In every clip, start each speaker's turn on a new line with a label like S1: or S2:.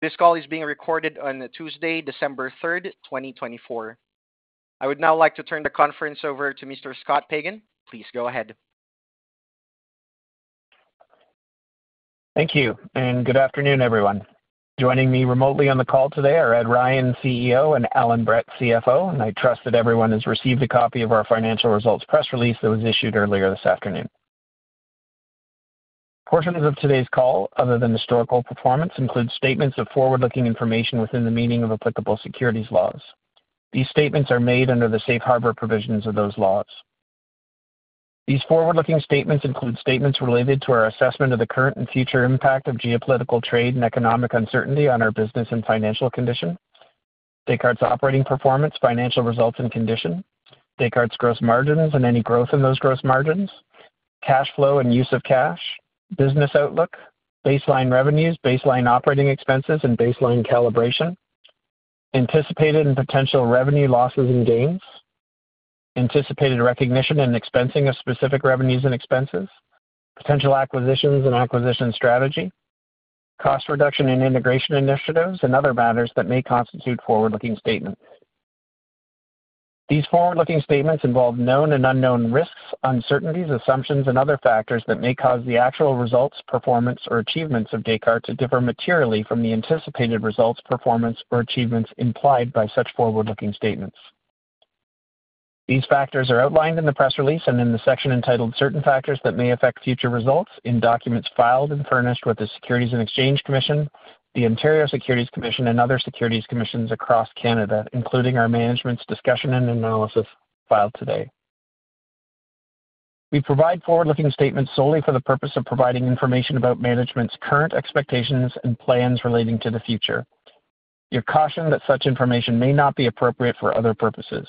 S1: This call is being recorded on Tuesday, 3 December 2024. I would now like to turn the conference over to Mr. Scott Pagan. Please go ahead.
S2: Thank you, and good afternoon, everyone. Joining me remotely on the call today are Ed Ryan, CEO, and Allan Brett, CFO, and I trust that everyone has received a copy of our financial results press release that was issued earlier this afternoon. Portions of today's call, other than historical performance, include statements of forward-looking information within the meaning of applicable securities laws. These statements are made under the safe harbor provisions of those laws. These forward-looking statements include statements related to our assessment of the current and future impact of geopolitical trade and economic uncertainty on our business and financial condition, Descartes operating performance, financial results and condition, Descartes gross margins and any growth in those gross margins, cash flow and use of cash, business outlook, baseline revenues, baseline operating expenses, and baseline calibration, anticipated and potential revenue losses and gains, anticipated recognition and expensing of specific revenues and expenses, potential acquisitions and acquisition strategy, cost reduction and integration initiatives, and other matters that may constitute forward-looking statements. These forward-looking statements involve known and unknown risks, uncertainties, assumptions, and other factors that may cause the actual results, performance, or achievements of Descartes to differ materially from the anticipated results, performance, or achievements implied by such forward-looking statements. These factors are outlined in the press release and in the section entitled "Certain Factors That May Affect Future Results" in documents filed and furnished with the Securities and Exchange Commission, the Ontario Securities Commission, and other securities commissions across Canada, including our management's discussion and analysis filed today. We provide forward-looking statements solely for the purpose of providing information about management's current expectations and plans relating to the future. You're cautioned that such information may not be appropriate for other purposes.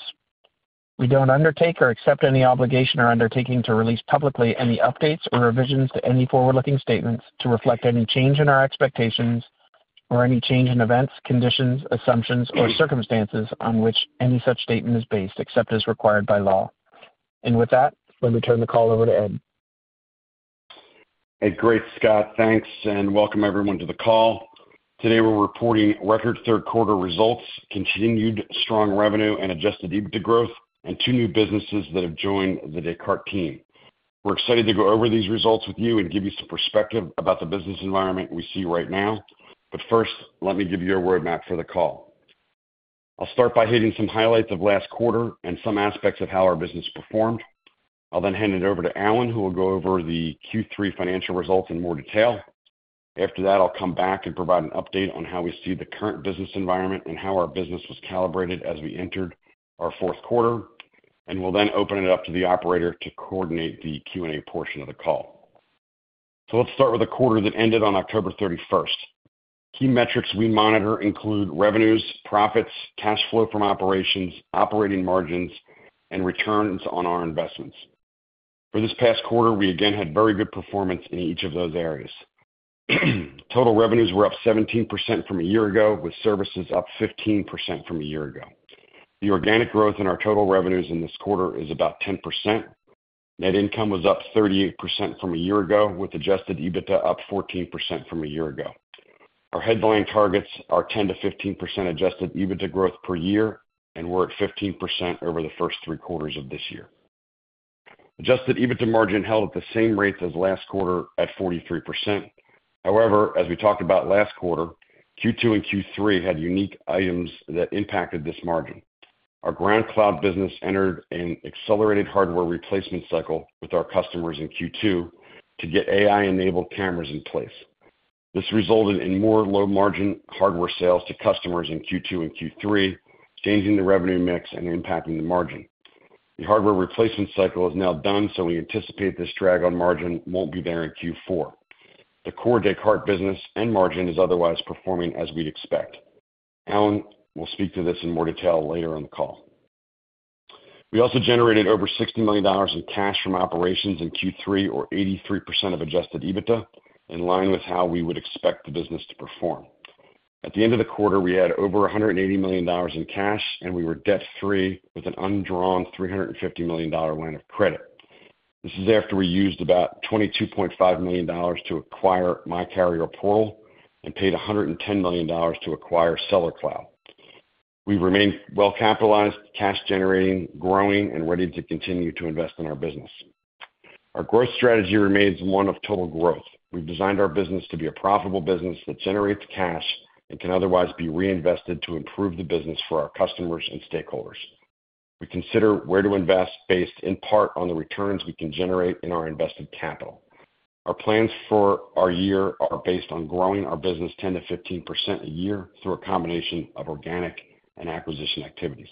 S2: We don't undertake or accept any obligation or undertaking to release publicly any updates or revisions to any forward-looking statements to reflect any change in our expectations or any change in events, conditions, assumptions, or circumstances on which any such statement is based except as required by law, and with that, let me turn the call over to Ed.
S3: Hey, great, Scott. Thanks, and welcome everyone to the call. Today we're reporting record Q3 results, continued strong revenue and Adjusted EBITDA growth, and two new businesses that have joined the Descartes team. We're excited to go over these results with you and give you some perspective about the business environment we see right now, but first, let me give you a roadmap for the call. I'll start by hitting some highlights of last quarter and some aspects of how our business performed. I'll then hand it over to Allan, who will go over the Q3 financial results in more detail. After that, I'll come back and provide an update on how we see the current business environment and how our business was calibrated as we entered our Q4, and we'll then open it up to the operator to coordinate the Q&A portion of the call. Let's start with the quarter that ended on 31 October. Key metrics we monitor include revenues, profits, cash flow from operations, operating margins, and returns on our investments. For this past quarter, we again had very good performance in each of those areas. Total revenues were up 17% from a year ago, with services up 15% from a year ago. The organic growth in our total revenues in this quarter is about 10%. Net income was up 38% from a year ago, with adjusted EBITDA up 14% from a year ago. Our headline targets are 10% to 15% adjusted EBITDA growth per year, and we're at 15% over the first three quarters of this year. Adjusted EBITDA margin held at the same rate as last quarter at 43%. However, as we talked about last quarter, Q2 and Q3 had unique items that impacted this margin. Our GroundCloud business entered an accelerated hardware replacement cycle with our customers in Q2 to get AI-enabled cameras in place. This resulted in more low-margin hardware sales to customers in Q2 and Q3, changing the revenue mix and impacting the margin. The hardware replacement cycle is now done, we anticipate this drag on margin won't be there in Q4. The core Descartes business and margin is otherwise performing as we'd expect. Allan will speak to this in more detail later on the call. We also generated over $60 million in cash from operations in Q3, or 83% of Adjusted EBITDA, in line with how we would expect the business to perform. At the end of the quarter, we had over $180 million in cash, and we were debt-free with an undrawn $350 million line of credit. This is after we used about $22.5 million to acquire MyCarrierPortal and paid $110 million to acquire Sellercloud. We've remained well-capitalized, cash-generating, growing, and ready to continue to invest in our business. Our growth strategy remains one of total growth. We've designed our business to be a profitable business that generates cash and can otherwise be reinvested to improve the business for our customers and stakeholders. We consider where to invest based in part on the returns we can generate in our invested capital. Our plans for our year are based on growing our business 10% to 15% a year through a combination of organic and acquisition activities.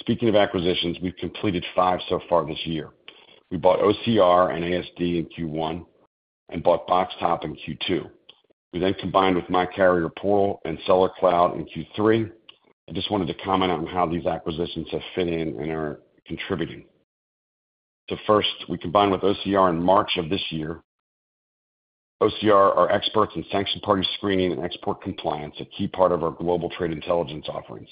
S3: Speaking of acquisitions, we've completed five so far this year. We bought OCR and ASD in Q1 and bought BoxTop in Q2. We then combined with MyCarrierPortal and SellerCloud in Q3. I just wanted to comment on how these acquisitions have fit in and are contributing. First, we combined with OCR in March of this year. OCR are experts in sanctioned party screening and export compliance, a key part of our Global Trade Intelligence offerings.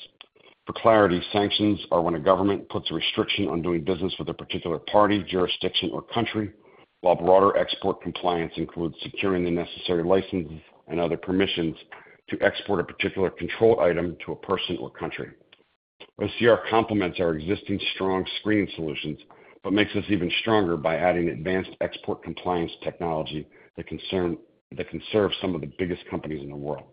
S3: For clarity, sanctions are when a government puts a restriction on doing business with a particular party, jurisdiction, or country, while broader export compliance includes securing the necessary licenses and other permissions to export a particular controlled item to a person or country. OCR complements our existing strong screening solutions but makes us even stronger by adding advanced export compliance technology that can serve some of the biggest companies in the world.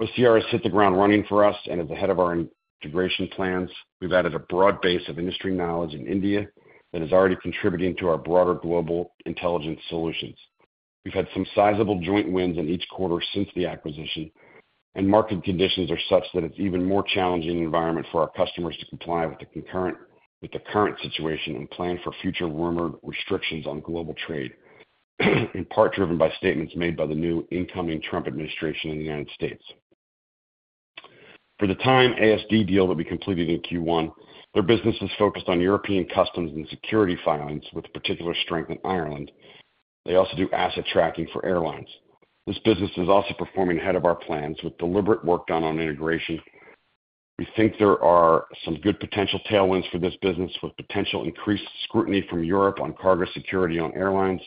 S3: OCR has hit the ground running for us, and as the head of our integration plans, we've added a broad base of industry knowledge in India that is already contributing to our broader global intelligence solutions. We've had some sizable joint wins in each quarter since the acquisition, and market conditions are such that it's an even more challenging environment for our customers to comply with the current situation and plan for future rumored restrictions on global trade, in part driven by statements made by the new incoming Trump administration in the United States. For the ASD deal that we completed in Q1, their business is focused on European customs and security filings, with particular strength in Ireland. They also do asset tracking for airlines. This business is also performing ahead of our plans with deliberate work done on integration. We think there are some good potential tailwinds for this business, with potential increased scrutiny from Europe on cargo security on airlines,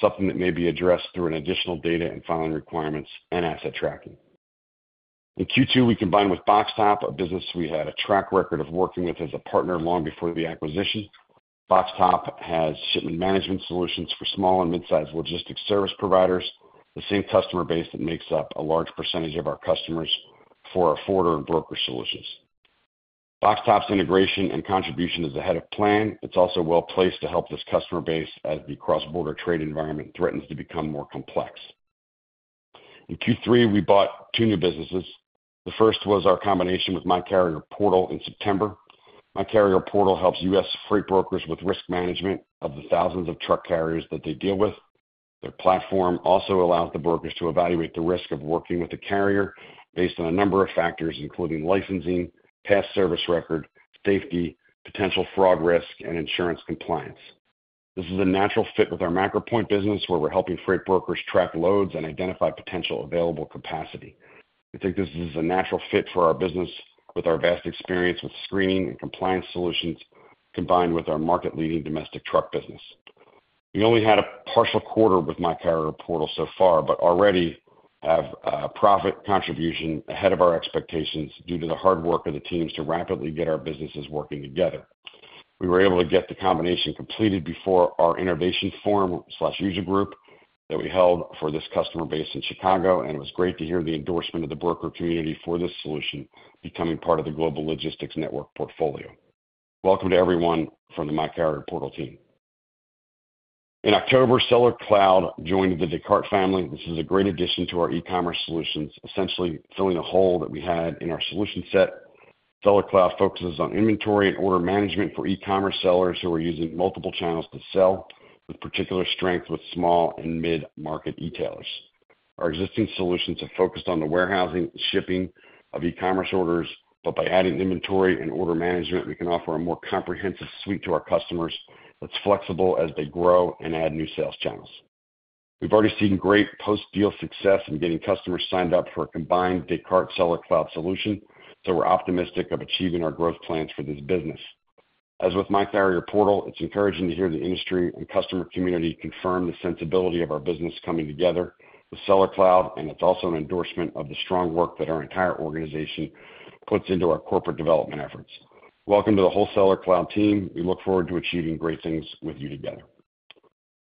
S3: something that may be addressed through additional data and filing requirements and asset tracking. In Q2, we combined with BoxTop, a business we had a track record of working with as a partner long before the acquisition. BoxTop has shipment management solutions for small and mid-sized logistics service providers, the same customer base that makes up a large percentage of our customers for our forwarder and broker solutions. BoxTop's integration and contribution is ahead of plan. It's also well-placed to help this customer base as the cross-border trade environment threatens to become more complex. In Q3, we bought two new businesses. The first was our combination with MyCarrierPortal in September. MyCarrierPortal helps U.S. freight brokers with risk management of the thousands of truck carriers that they deal with. Their platform also allows the brokers to evaluate the risk of working with a carrier based on a number of factors, including licensing, past service record, safety, potential fraud risk, and insurance compliance. This is a natural fit with our MacroPoint business, where we're helping freight brokers track loads and identify potential available capacity. We think this is a natural fit for our business with our vast experience with screening and compliance solutions combined with our market-leading domestic truck business. We only had a partial quarter with MyCarrierPortal so far, but already have a profit contribution ahead of our expectations due to the hard work of the teams to rapidly get our businesses working together. We were able to get the combination completed before our innovation forum/user group that we held for this customer base in Chicago, and it was great to hear the endorsement of the broker community for this solution becoming part of the global logistics network portfolio. Welcome to everyone from the MyCarrierPortal team. In October, SellerCloud joined the Descartes family. This is a great addition to our e-commerce solutions, essentially filling a hole that we had in our solution set. SellerCloud focuses on inventory and order management for e-commerce sellers who are using multiple channels to sell, with particular strength with small and mid-market retailers. Our existing solutions have focused on the warehousing and shipping of e-commerce orders, but by adding inventory and order management, we can offer a more comprehensive suite to our customers that's flexible as they grow and add new sales channels. We've already seen great post-deal success in getting customers signed up for a combined Descartes SellerCloud solution, so we're optimistic about achieving our growth plans for this business. As with MyCarrierPortal, it's encouraging to hear the industry and customer community confirm the sensibility of our business coming together with SellerCloud, and it's also an endorsement of the strong work that our entire organization puts into our corporate development efforts. Welcome to the whole SellerCloud team. We look forward to achieving great things with you together.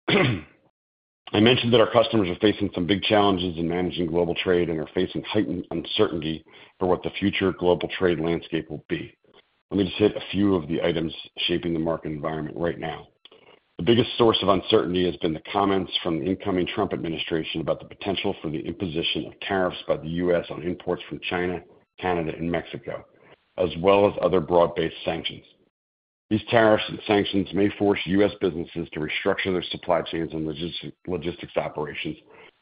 S3: I mentioned that our customers are facing some big challenges in managing global trade and are facing heightened uncertainty for what the future global trade landscape will be. Let me just hit a few of the items shaping the market environment right now. The biggest source of uncertainty has been the comments from the incoming Trump administration about the potential for the imposition of tariffs by the U.S. on imports from China, Canada, and Mexico, as well as other broad-based sanctions. These tariffs and sanctions may force U.S. businesses to restructure their supply chains and logistics operations,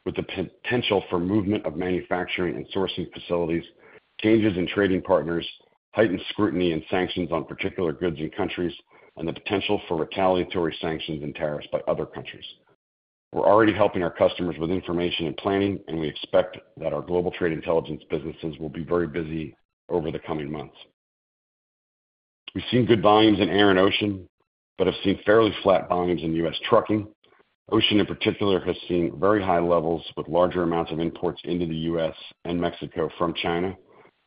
S3: with the potential for movement of manufacturing and sourcing facilities, changes in trading partners, heightened scrutiny and sanctions on particular goods and countries, and the potential for retaliatory sanctions and tariffs by other countries. We're already helping our customers with information and planning, and we expect that our global trade intelligence businesses will be very busy over the coming months. We've seen good volumes in air and ocean but have seen fairly flat volumes in U.S. trucking. Ocean, in particular, has seen very high levels with larger amounts of imports into the U.S. and Mexico from China.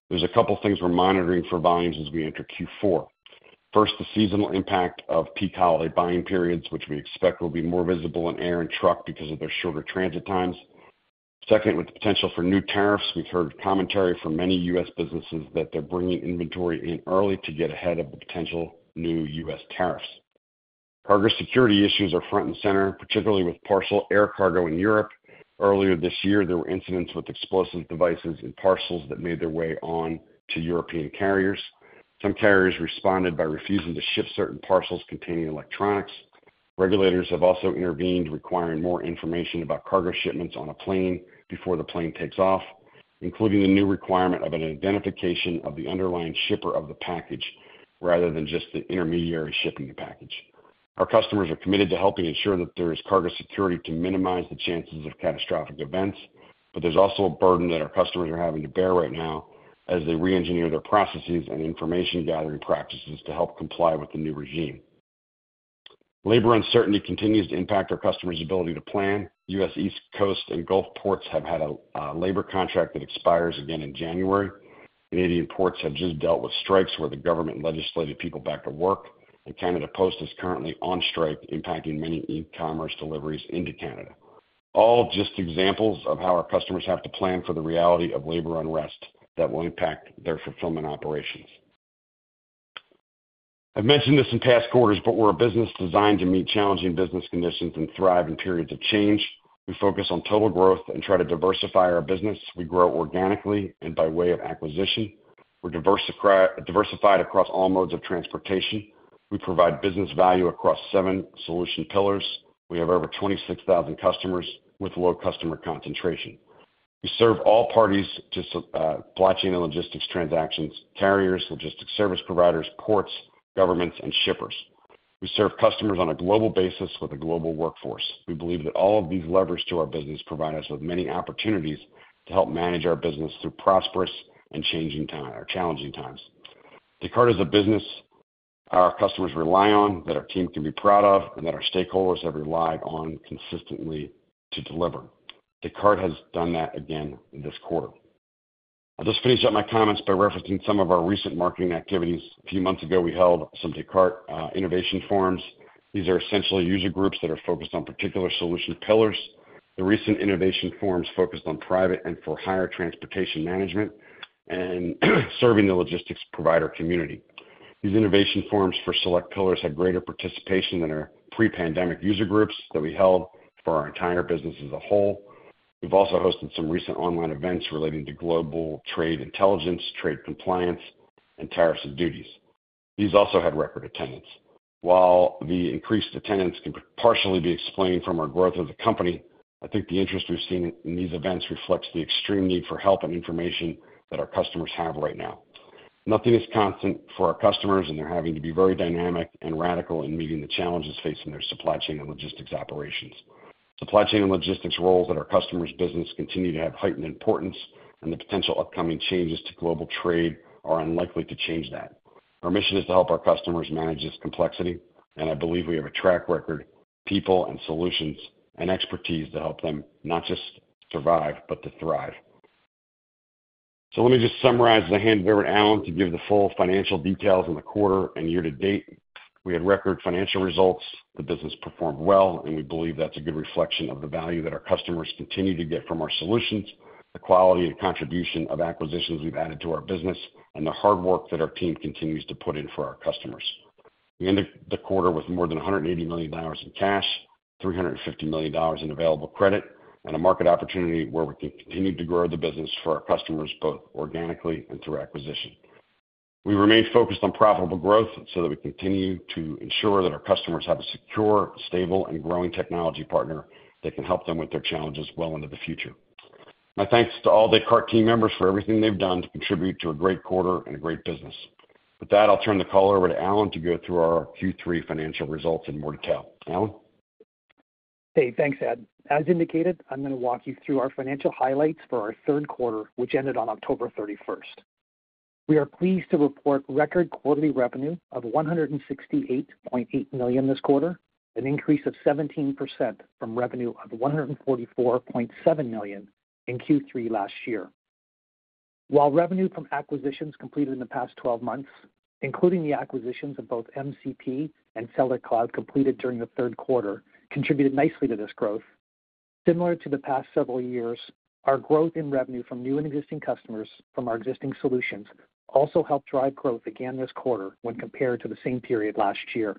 S3: There's a couple of things we're monitoring for volumes as we enter Q4. First, the seasonal impact of peak holiday buying periods, which we expect will be more visible in air and truck because of their shorter transit times. Second, with the potential for new tariffs, we've heard commentary from many U.S. businesses that they're bringing inventory in early to get ahead of the potential new U.S. tariffs. Cargo security issues are front and center, particularly with parcel air cargo in Europe. Earlier this year, there were incidents with explosive devices and parcels that made their way onto European carriers. Some carriers responded by refusing to ship certain parcels containing electronics. Regulators have also intervened, requiring more information about cargo shipments on a plane before the plane takes off, including the new requirement of an identification of the underlying shipper of the package rather than just the intermediary shipping the package. Our customers are committed to helping ensure that there is cargo security to minimize the chances of catastrophic events, but there's also a burden that our customers are having to bear right now as they re-engineer their processes and information-gathering practices to help comply with the new regime. Labor uncertainty continues to impact our customers' ability to plan. U.S. East Coast and Gulf ports have had a labor contract that expires again in January. Canadian ports have just dealt with strikes where the government legislated people back to work, and Canada Post is currently on strike, impacting many e-commerce deliveries into Canada. All just examples of how our customers have to plan for the reality of labor unrest that will impact their fulfillment operations. I've mentioned this in past quarters, but we're a business designed to meet challenging business conditions and thrive in periods of change. We focus on total growth and try to diversify our business. We grow organically and by way of acquisition. We're diversified across all modes of transportation. We provide business value across seven solution pillars. We have over 26,000 customers with low customer concentration. We serve all parties to supply chain and logistics transactions: carriers, logistics service providers, ports, governments, and shippers. We serve customers on a global basis with a global workforce. We believe that all of these levers to our business provide us with many opportunities to help manage our business through prosperous and changing times, our challenging times. Descartes is a business our customers rely on, that our team can be proud of, and that our stakeholders have relied on consistently to deliver. Descartes has done that again this quarter. I'll just finish up my comments by referencing some of our recent marketing activities. A few months ago, we held some Descartes Innovation Forums. These are essentially user groups that are focused on particular solution pillars. The recent innovation forums focused on private and for-hire transportation management and serving the logistics provider community. These innovation forums for select pillars had greater participation than our pre-pandemic user groups that we held for our entire business as a whole. We've also hosted some recent online events relating to global trade intelligence, trade compliance, and tariffs and duties. These also had record attendance. While the increased attendance can partially be explained from our growth as a company, I think the interest we've seen in these events reflects the extreme need for help and information that our customers have right now. Nothing is constant for our customers, and they're having to be very dynamic and radical in meeting the challenges facing their supply chain and logistics operations. Supply chain and logistics roles that our customers' business continue to have heightened importance, and the potential upcoming changes to global trade are unlikely to change that. Our mission is to help our customers manage this complexity, and I believe we have a track record, people, and solutions and expertise to help them not just survive but to thrive, let me just summarize the handover to Allan to give the full financial details in the quarter and year-to-date. We had record financial results. The business performed well, and we believe that's a good reflection of the value that our customers continue to get from our solutions, the quality and contribution of acquisitions we've added to our business, and the hard work that our team continues to put in for our customers. We ended the quarter with more than $180 million in cash, $350 million in available credit, and a market opportunity where we can continue to grow the business for our customers both organically and through acquisition. We remain focused on profitable growth so that we continue to ensure that our customers have a secure, stable, and growing technology partner that can help them with their challenges well into the future. My thanks to all Descartes team members for everything they've done to contribute to a great quarter and a great business. With that, I'll turn the call over to Allan to go through our Q3 financial results in more detail. Allan?
S4: Hey, thanks, Ed. As indicated, I'm going to walk you through our financial highlights for our Q3, which ended on 31 October. We are pleased to report record quarterly revenue of $168.8 million this quarter, an increase of 17% from revenue of $144.7 million in Q3 last year. While revenue from acquisitions completed in the past 12 months, including the acquisitions of both MCP and SellerCloud completed during the Q3, contributed nicely to this growth. Similar to the past several years, our growth in revenue from new and existing customers from our existing solutions also helped drive growth again this quarter when compared to the same period last year.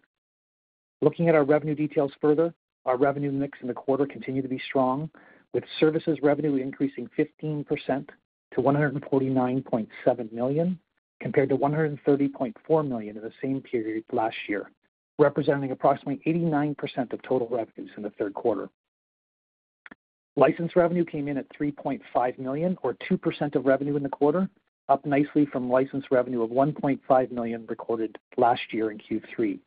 S4: Looking at our revenue details further, our revenue mix in the quarter continued to be strong, with services revenue increasing 15% to $149.7 million, compared to $130.4 million in the same period last year, representing approximately 89% of total revenues in the Q3. License revenue came in at $3.5 million, or 2% of revenue in the quarter, up nicely from license revenue of $1.5 million recorded last year in Q3,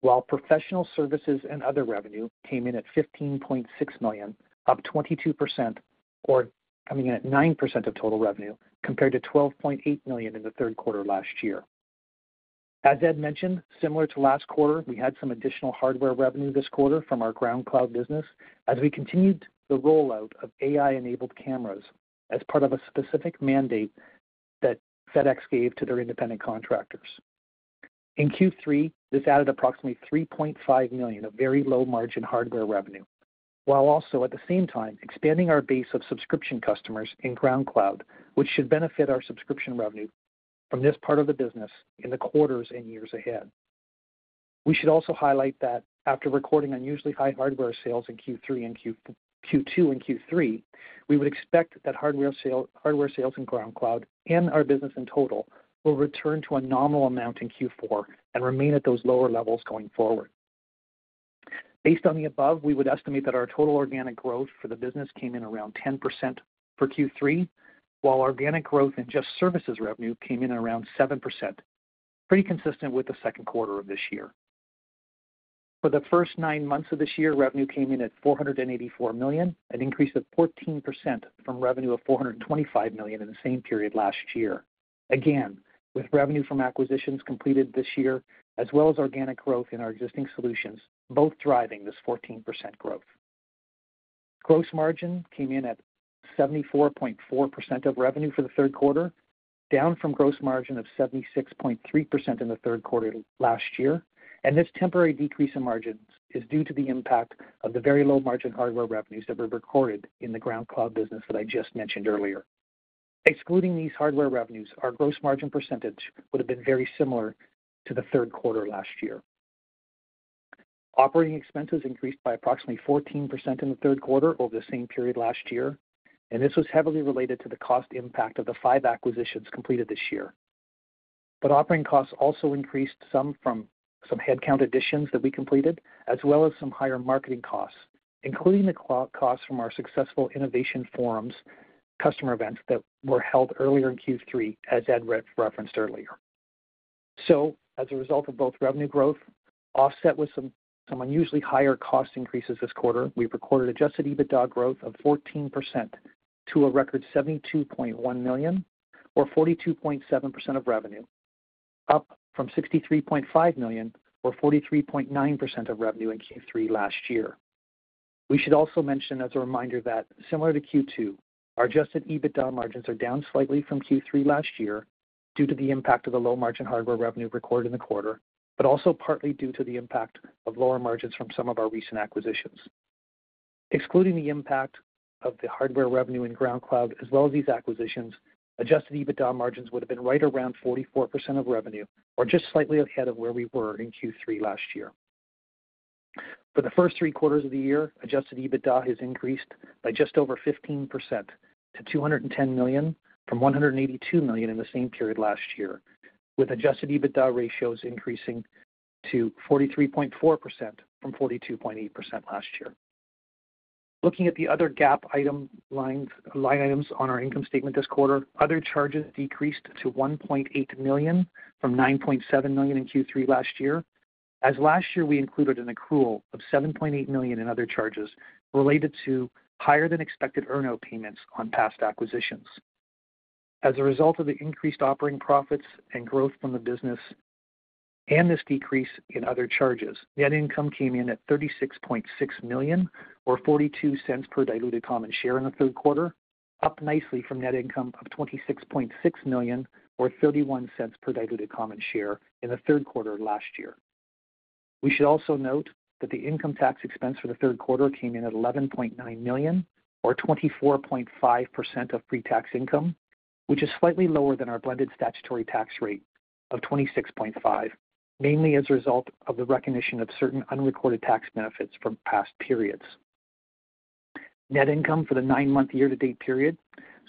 S4: while professional services and other revenue came in at $15.6 million, up 22%, or coming in at 9% of total revenue, compared to $12.8 million in the Q3 last year. As Ed mentioned, similar to last quarter, we had some additional hardware revenue this quarter from our Ground Cloud business as we continued the rollout of AI-enabled cameras as part of a specific mandate that FedEx gave to their independent contractors. In Q3, this added approximately $3.5 million, a very low-margin hardware revenue, while also at the same time expanding our base of subscription customers in Ground Cloud, which should benefit our subscription revenue from this part of the business in the quarters and years ahead. We should also highlight that after recording unusually high hardware sales in Q2 and Q3, we would expect that hardware sales in Ground Cloud and our business in total will return to a nominal amount in Q4 and remain at those lower levels going forward. Based on the above, we would estimate that our total organic growth for the business came in around 10% for Q3, while organic growth in just services revenue came in around 7%, pretty consistent with the Q2 of this year. For the first nine months of this year, revenue came in at $484 million, an increase of 14% from revenue of $425 million in the same period last year. Again, with revenue from acquisitions completed this year, as well as organic growth in our existing solutions, both driving this 14% growth. Gross margin came in at 74.4% of revenue for the Q3, down from gross margin of 76.3% in the Q3 last year. This temporary decrease in margins is due to the impact of the very low-margin hardware revenues that were recorded in the Ground Cloud business that I just mentioned earlier. Excluding these hardware revenues, our gross margin percentage would have been very similar to the Q3 last year. Operating expenses increased by approximately 14% in the Q3 over the same period last year, and this was heavily related to the cost impact of the five acquisitions completed this year. Operating costs also increased some from some headcount additions that we completed, as well as some higher marketing costs, including the costs from our successful innovation forums customer events that were held earlier in Q3, as Ed Ryan referenced earlier. As a result of both revenue growth offset with some unusually higher cost increases this quarter, we've recorded Adjusted EBITDA growth of 14% to a record $72.1 million, or 42.7% of revenue, up from $63.5 million, or 43.9% of revenue in Q3 last year. We should also mention as a reminder that, similar to Q2, our adjusted EBITDA margins are down slightly from Q3 last year due to the impact of the low-margin hardware revenue recorded in the quarter, but also partly due to the impact of lower margins from some of our recent acquisitions. Excluding the impact of the hardware revenue in Ground Cloud, as well as these acquisitions, adjusted EBITDA margins would have been right around 44% of revenue, or just slightly ahead of where we were in Q3 last year. For the first three quarters of the year, adjusted EBITDA has increased by just over 15% to $210 million from $182 million in the same period last year, with adjusted EBITDA ratios increasing to 43.4% from 42.8% last year. Looking at the other non-GAAP item line items on our income statement this quarter, other charges decreased to $1.8 million from $9.7 million in Q3 last year, as last year we included an accrual of $7.8 million in other charges related to higher-than-expected earn-out payments on past acquisitions. As a result of the increased operating profits and growth from the business and this decrease in other charges, net income came in at $36.6 million, or 42 cents per diluted common share in the Q3, up nicely from net income of $26.6 million, or 31 cents per diluted common share in the Q3 last year. We should also note that the income tax expense for the Q3 came in at $11.9 million, or 24.5% of pre-tax income, which is slightly lower than our blended statutory tax rate of 26.5%, mainly as a result of the recognition of certain unrecorded tax benefits from past periods. Net income for the nine-month year-to-date period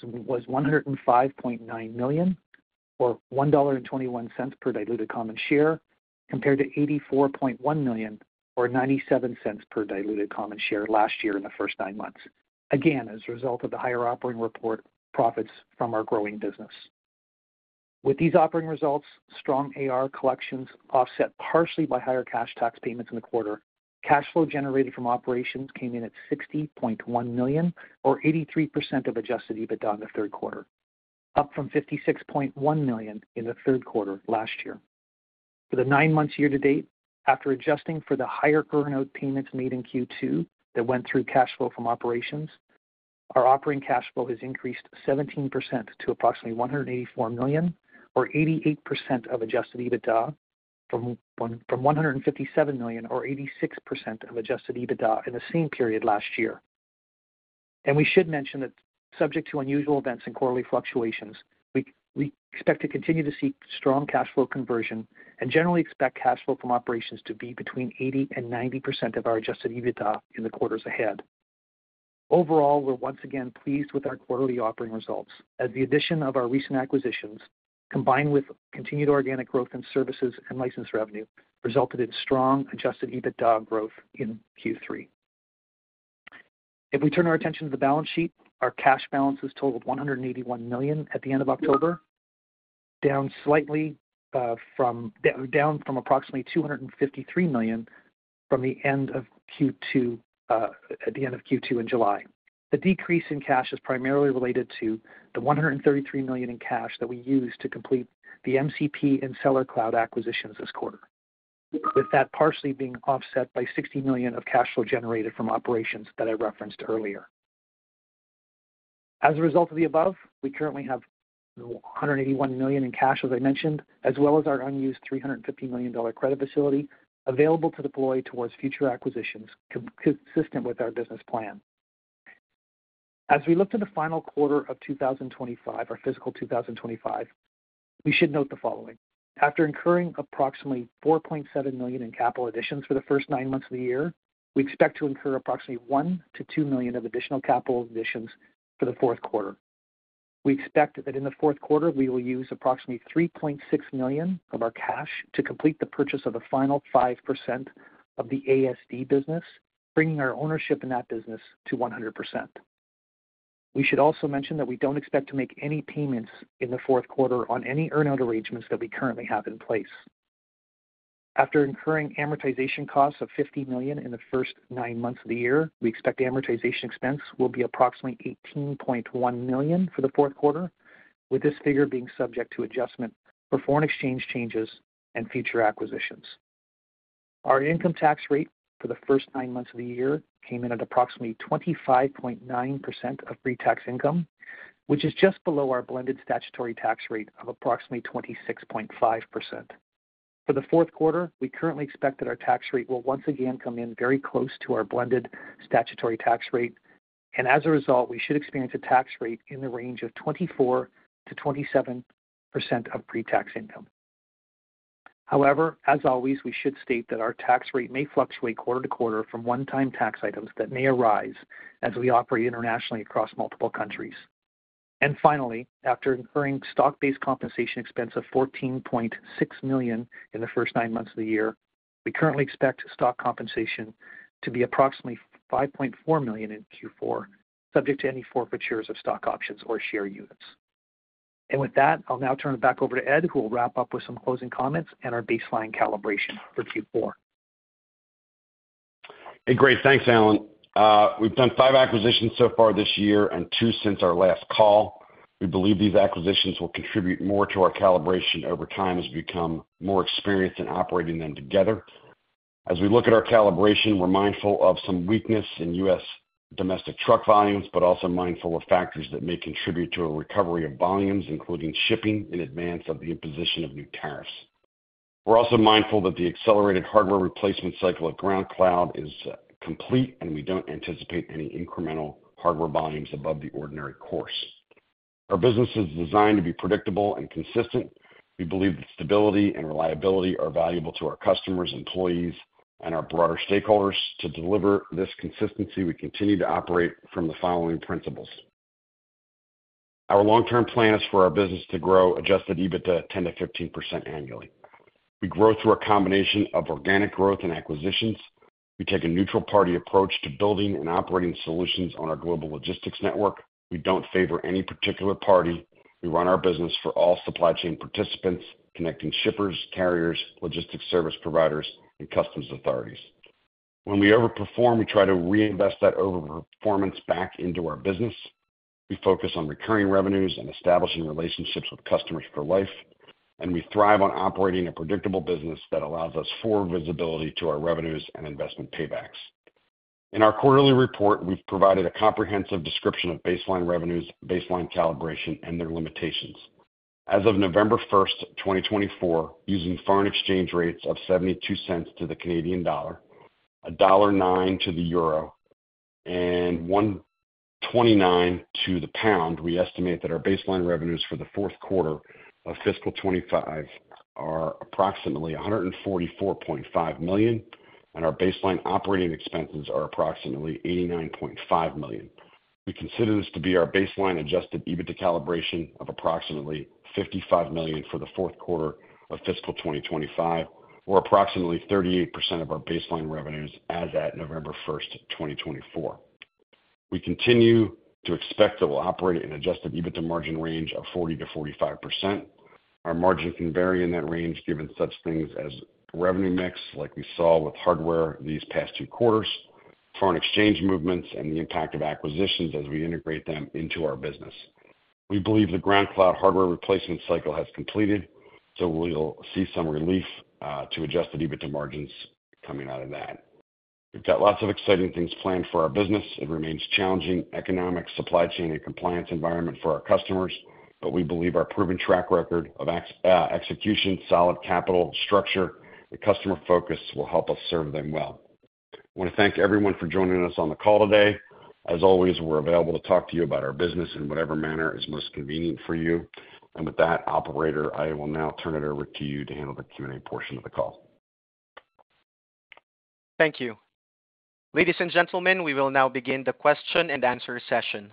S4: was $105.9 million, or $1.21 per diluted common share, compared to $84.1 million, or $0.97 per diluted common share last year in the first nine months, again as a result of the higher operating reported profits from our growing business. With these operating results, strong AR collections offset partially by higher cash tax payments in the quarter, cash flow generated from operations came in at $60.1 million, or 83% of adjusted EBITDA in the Q3, up from $56.1 million in the Q3 last year. For the nine-month year-to-date, after adJasong for the higher earn-out payments made in Q2 that went through cash flow from operations, our operating cash flow has increased 17% to approximately $184 million, or 88% of Adjusted EBITDA, from $157 million, or 86% of Adjusted EBITDA in the same period last year. We should mention that, subject to unusual events and quarterly fluctuations, we expect to continue to see strong cash flow conversion and generally expect cash flow from operations to be between 80% and 90% of our Adjusted EBITDA in the quarters ahead. Overall, we're once again pleased with our quarterly operating results, as the addition of our recent acquisitions, combined with continued organic growth in services and license revenue, resulted in strong Adjusted EBITDA growth in Q3. If we turn our attention to the balance sheet, our cash balances totaled $181 million at the end of October, down slightly from approximately $253 million from the end of Q2 in July. The decrease in cash is primarily related to the $133 million in cash that we used to complete the MCP and SellerCloud acquisitions this quarter, with that partially being offset by $60 million of cash flow generated from operations that I referenced earlier. As a result of the above, we currently have $181 million in cash, as I mentioned, as well as our unused $350 million credit facility available to deploy towards future acquisitions consistent with our business plan. As we look to the final quarter of 2025, our fiscal 2025, we should note the following: after incurring approximately $4.7 million in capital additions for the first nine months of the year, we expect to incur approximately $1 to $2 million of additional capital additions for the Q4. We expect that in the Q4, we will use approximately $3.6 million of our cash to complete the purchase of the final 5% of the ASD business, bringing our ownership in that business to 100%. We should also mention that we don't expect to make any payments in the Q4 on any earn-out arrangements that we currently have in place. After incurring amortization costs of $50 million in the first nine months of the year, we expect amortization expense will be approximately $18.1 million for the Q4, with this figure being subject to adjustment for foreign exchange changes and future acquisitions. Our income tax rate for the first nine months of the year came in at approximately 25.9% of pre-tax income, which is just below our blended statutory tax rate of approximately 26.5%. For the Q4, we currently expect that our tax rate will once again come in very close to our blended statutory tax rate, and as a result, we should experience a tax rate in the range of 24% to 27% of pre-tax income. However, as always, we should state that our tax rate may fluctuate quarter to quarter from one-time tax items that may arise as we operate internationally across multiple countries. Finally, after incurring stock-based compensation expense of $14.6 million in the first nine months of the year, we currently expect stock compensation to be approximately $5.4 million in Q4, subject to any forfeiture of stock options or share units. With that, I'll now turn it back over to Ed, who will wrap up with some closing comments and our baseline calibration for Q4.
S3: Hey, great. Thanks, Allan. We've done five acquisitions so far this year and two since our last call. We believe these acquisitions will contribute more to our calibration over time as we become more experienced in operating them together. As we look at our calibration, we're mindful of some weakness in U.S. domestic truck volumes, but also mindful of factors that may contribute to a recovery of volumes, including shipping in advance of the imposition of new tariffs. We're also mindful that the accelerated hardware replacement cycle at Ground Cloud is complete, and we don't anticipate any incremental hardware volumes above the ordinary course. Our business is designed to be predictable and consistent. We believe that stability and reliability are valuable to our customers, employees, and our broader stakeholders. To deliver this consistency, we continue to operate from the following principles. Our long-term plan is for our business to grow Adjusted EBITDA 10% to 15% annually. We grow through a combination of organic growth and acquisitions. We take a neutral party approach to building and operating solutions on our global logistics network. We don't favor any particular party. We run our business for all supply chain participants, connecting shippers, carriers, logistics service providers, and customs authorities. When we overperform, we try to reinvest that overperformance back into our business. We focus on recurring revenues and establishing relationships with customers for life, and we thrive on operating a predictable business that allows us forward visibility to our revenues and investment paybacks. In our quarterly report, we've provided a comprehensive description of baseline revenues, baseline calibration, and their limitations. As of 1 November 2024, using foreign exchange rates of 0.72 to the CAD, USD 1.09 to the EUR, and USD 1.29 to the GBP, we estimate that our baseline revenues for the Q4 of fiscal 25 are approximately $144.5 million, and our baseline operating expenses are approximately $89.5 million. We consider this to be our baseline Adjusted EBITDA calibration of approximately $55 million for the Q4 of fiscal 2025, or approximately 38% of our baseline revenues as at 1 November 2024. We continue to expect that we'll operate in an Adjusted EBITDA margin range of 40% to 45%. Our margin can vary in that range given such things as revenue mix, like we saw with hardware these past two quarters, foreign exchange movements, and the impact of acquisitions as we integrate them into our business. We believe the Ground Cloud hardware replacement cycle has completed, so we'll see some relief to Adjusted EBITDA margins coming out of that. We've got lots of exciting things planned for our business. It remains a challenging economic, supply chain, and compliance environment for our customers, but we believe our proven track record of execution, solid capital structure, and customer focus will help us serve them well. I want to thank everyone for joining us on the call today. As always, we're available to talk to you about our business in whatever manner is most convenient for you. With that, Operator, I will now turn it over to you to handle the Q&A portion of the call.
S1: Thank you. Ladies and gentlemen, we will now begin the question and answer session.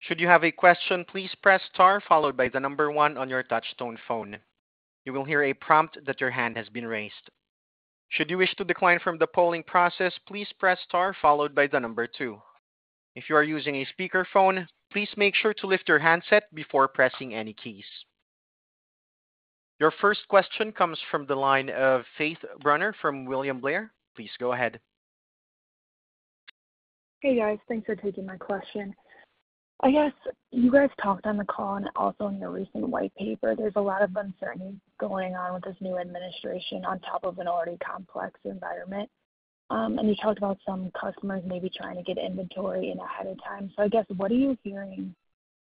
S1: Should you have a question, please press Star, followed by the number one on your touch-tone phone. You will hear a prompt that your hand has been raised. Should you wish to decline from the polling process, please press Star, followed by the number two. If you are using a speakerphone, please make sure to lift your handset before pressing any keys. Your first question comes from the line of Faith Brunner from William Blair. Please go ahead.
S5: Hey, guys. Thanks for taking my question. I guess you guys talked on the call and also in your recent white paper, there's a lot of uncertainty going on with this new administration on top of an already complex environment, and you talked about some customers maybe trying to get inventory in ahead of time, so I guess, what are you hearing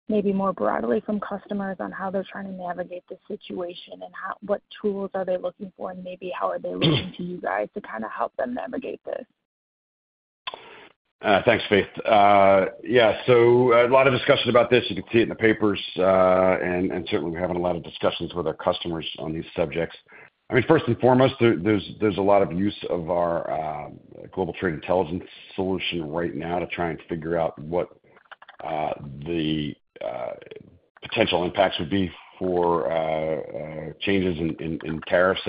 S5: maybe more broadly from customers on how they're trying to navigate this situation and what tools are they looking for, and maybe how are they looking to you guys to kind of help them navigate this?
S3: Thanks, Faith. Yeah, so a lot of discussion about this. You can see it in the papers, and certainly we're having a lot of discussions with our customers on these subjects. There's a lot of use of our Global Trade Intelligence solution right now to try and figure out what the potential impacts would be for changes in tariffs,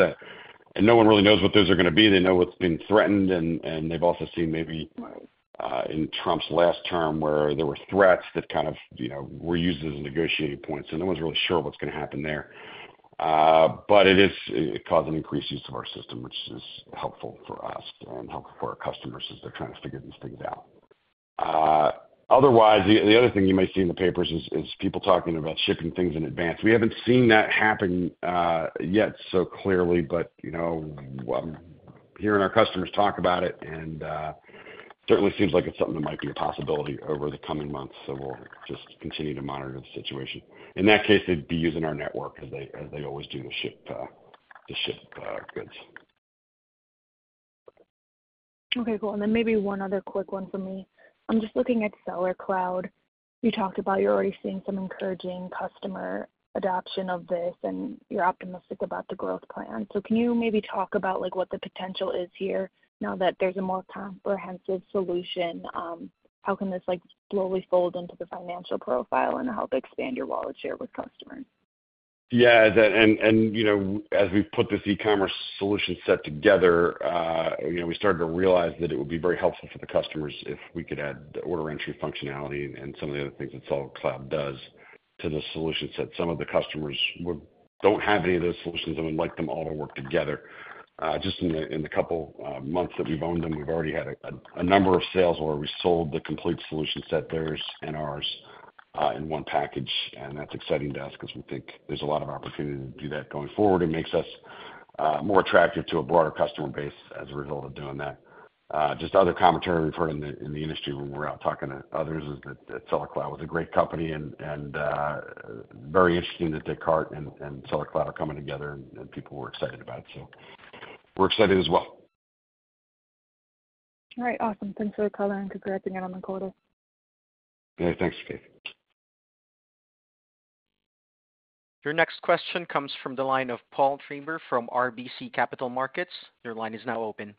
S3: and no one really knows what those are going to be. They know what's being threatened, and they've also seen maybe in Trump's last term where there were threats that kind of were used as negotiating points, and no one's really sure what's going to happen there, but it is causing increased use of our system, which is helpful for us and helpful for our customers as they're trying to figure these things out. Otherwise, the other thing you may see in the papers is people talking about shipping things in advance. We haven't seen that happen yet so clearly, but hearing our customers talk about it, and certainly seems like it's something that might be a possibility over the coming months, so we'll just continue to monitor the situation. In that case, they'd be using our network as they always do to ship goods.
S5: Okay. Cool. Maybe one other quick one for me. I'm just looking at SellerCloud. You talked about you're already seeing some encouraging customer adoption of this, and you're optimistic about the growth plan. So can you maybe talk about what the potential is here now that there's a more comprehensive solution? How can this slowly fold into the financial profile and help expand your wallet share with customers?
S3: As we put this e-commerce solution set together, we started to realize that it would be very helpful for the customers if we could add the order entry functionality and some of the other things that SellerCloud does to the solution set. Some of the customers don't have any of those solutions and would like them all to work together. Just in the couple months that we've owned them, we've already had a number of sales where we sold the complete solution set, theirs and ours, in one package. And that's exciting to us because we think there's a lot of opportunity to do that going forward. It makes us more attractive to a broader customer base as a result of doing that. Just other commentary we've heard in the industry when we're out talking to others is that SellerCloud was a great company and very interesting that Descartes and SellerCloud are coming together, and people were excited about it. So we're excited as well.
S5: All right. Awesome. Thanks for calling and congrats again on the call.
S3: Thanks, Faith.
S1: Your next question comes from the line of Paul Treiber from RBC Capital Markets. Your line is now open.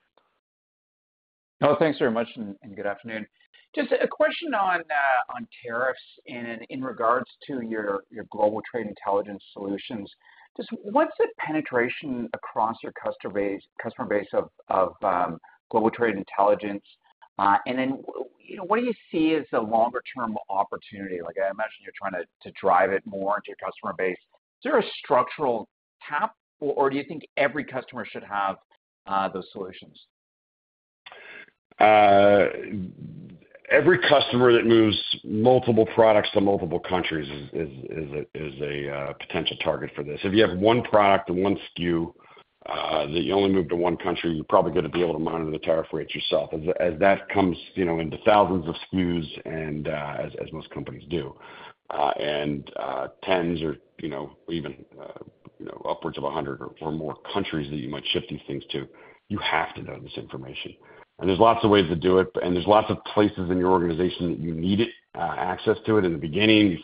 S6: Thanks very much and good afternoon. Just a question on tariffs in regards to your Global Trade Intelligence solutions. Just what's the penetration across your customer base of Global Trade Intelligence? What do you see as a longer-term opportunity? I imagine you're trying to drive it more into your customer base. Is there a structural cap, or do you think every customer should have those solutions?
S3: Every customer that moves multiple products to multiple countries is a potential target for this. If you have one product and one SKU that you only move to one country, you're probably going to be able to monitor the tariff rates yourself as that comes into thousands of SKUs, as most companies do, and tens or even upwards of 100 or more countries that you might shift these things to. You have to know this information, and there's lots of ways to do it, and there's lots of places in your organization that you need access to it in the beginning,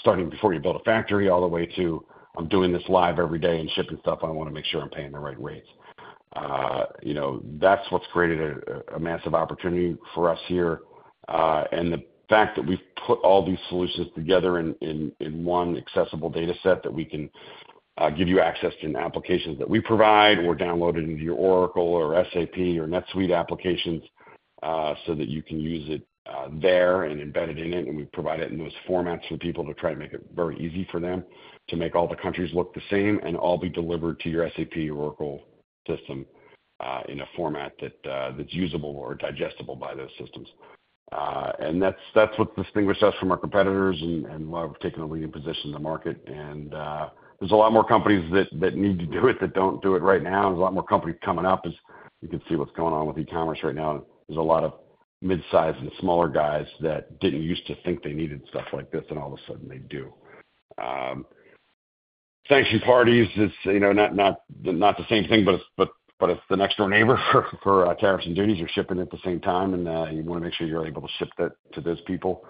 S3: starting before you build a factory, all the way to, "I'm doing this live every day and shipping stuff. I want to make sure I'm paying the right rates." That's what's created a massive opportunity for us here. The fact that we've put all these solutions together in one accessible data set that we can give you access to in applications that we provide or download it into your Oracle or SAP or NetSuite applications so that you can use it there and embed it in it. We provide it in those formats for people to try and make it very easy for them to make all the countries look the same and all be delivered to your SAP or Oracle system in a format that's usable or digestible by those systems. That's what's distinguished us from our competitors and why we've taken a leading position in the market. There's a lot more companies that need to do it that don't do it right now. There's a lot more companies coming up. You can see what's going on with e-commerce right now. There's a lot of mid-sized and smaller guys that didn't used to think they needed stuff like this, and all of a sudden, they do. Sanctioned parties, it's not the same thing, but it's the next-door neighbor for tariffs and duties. You're shipping at the same time, and you want to make sure you're able to ship that to those people.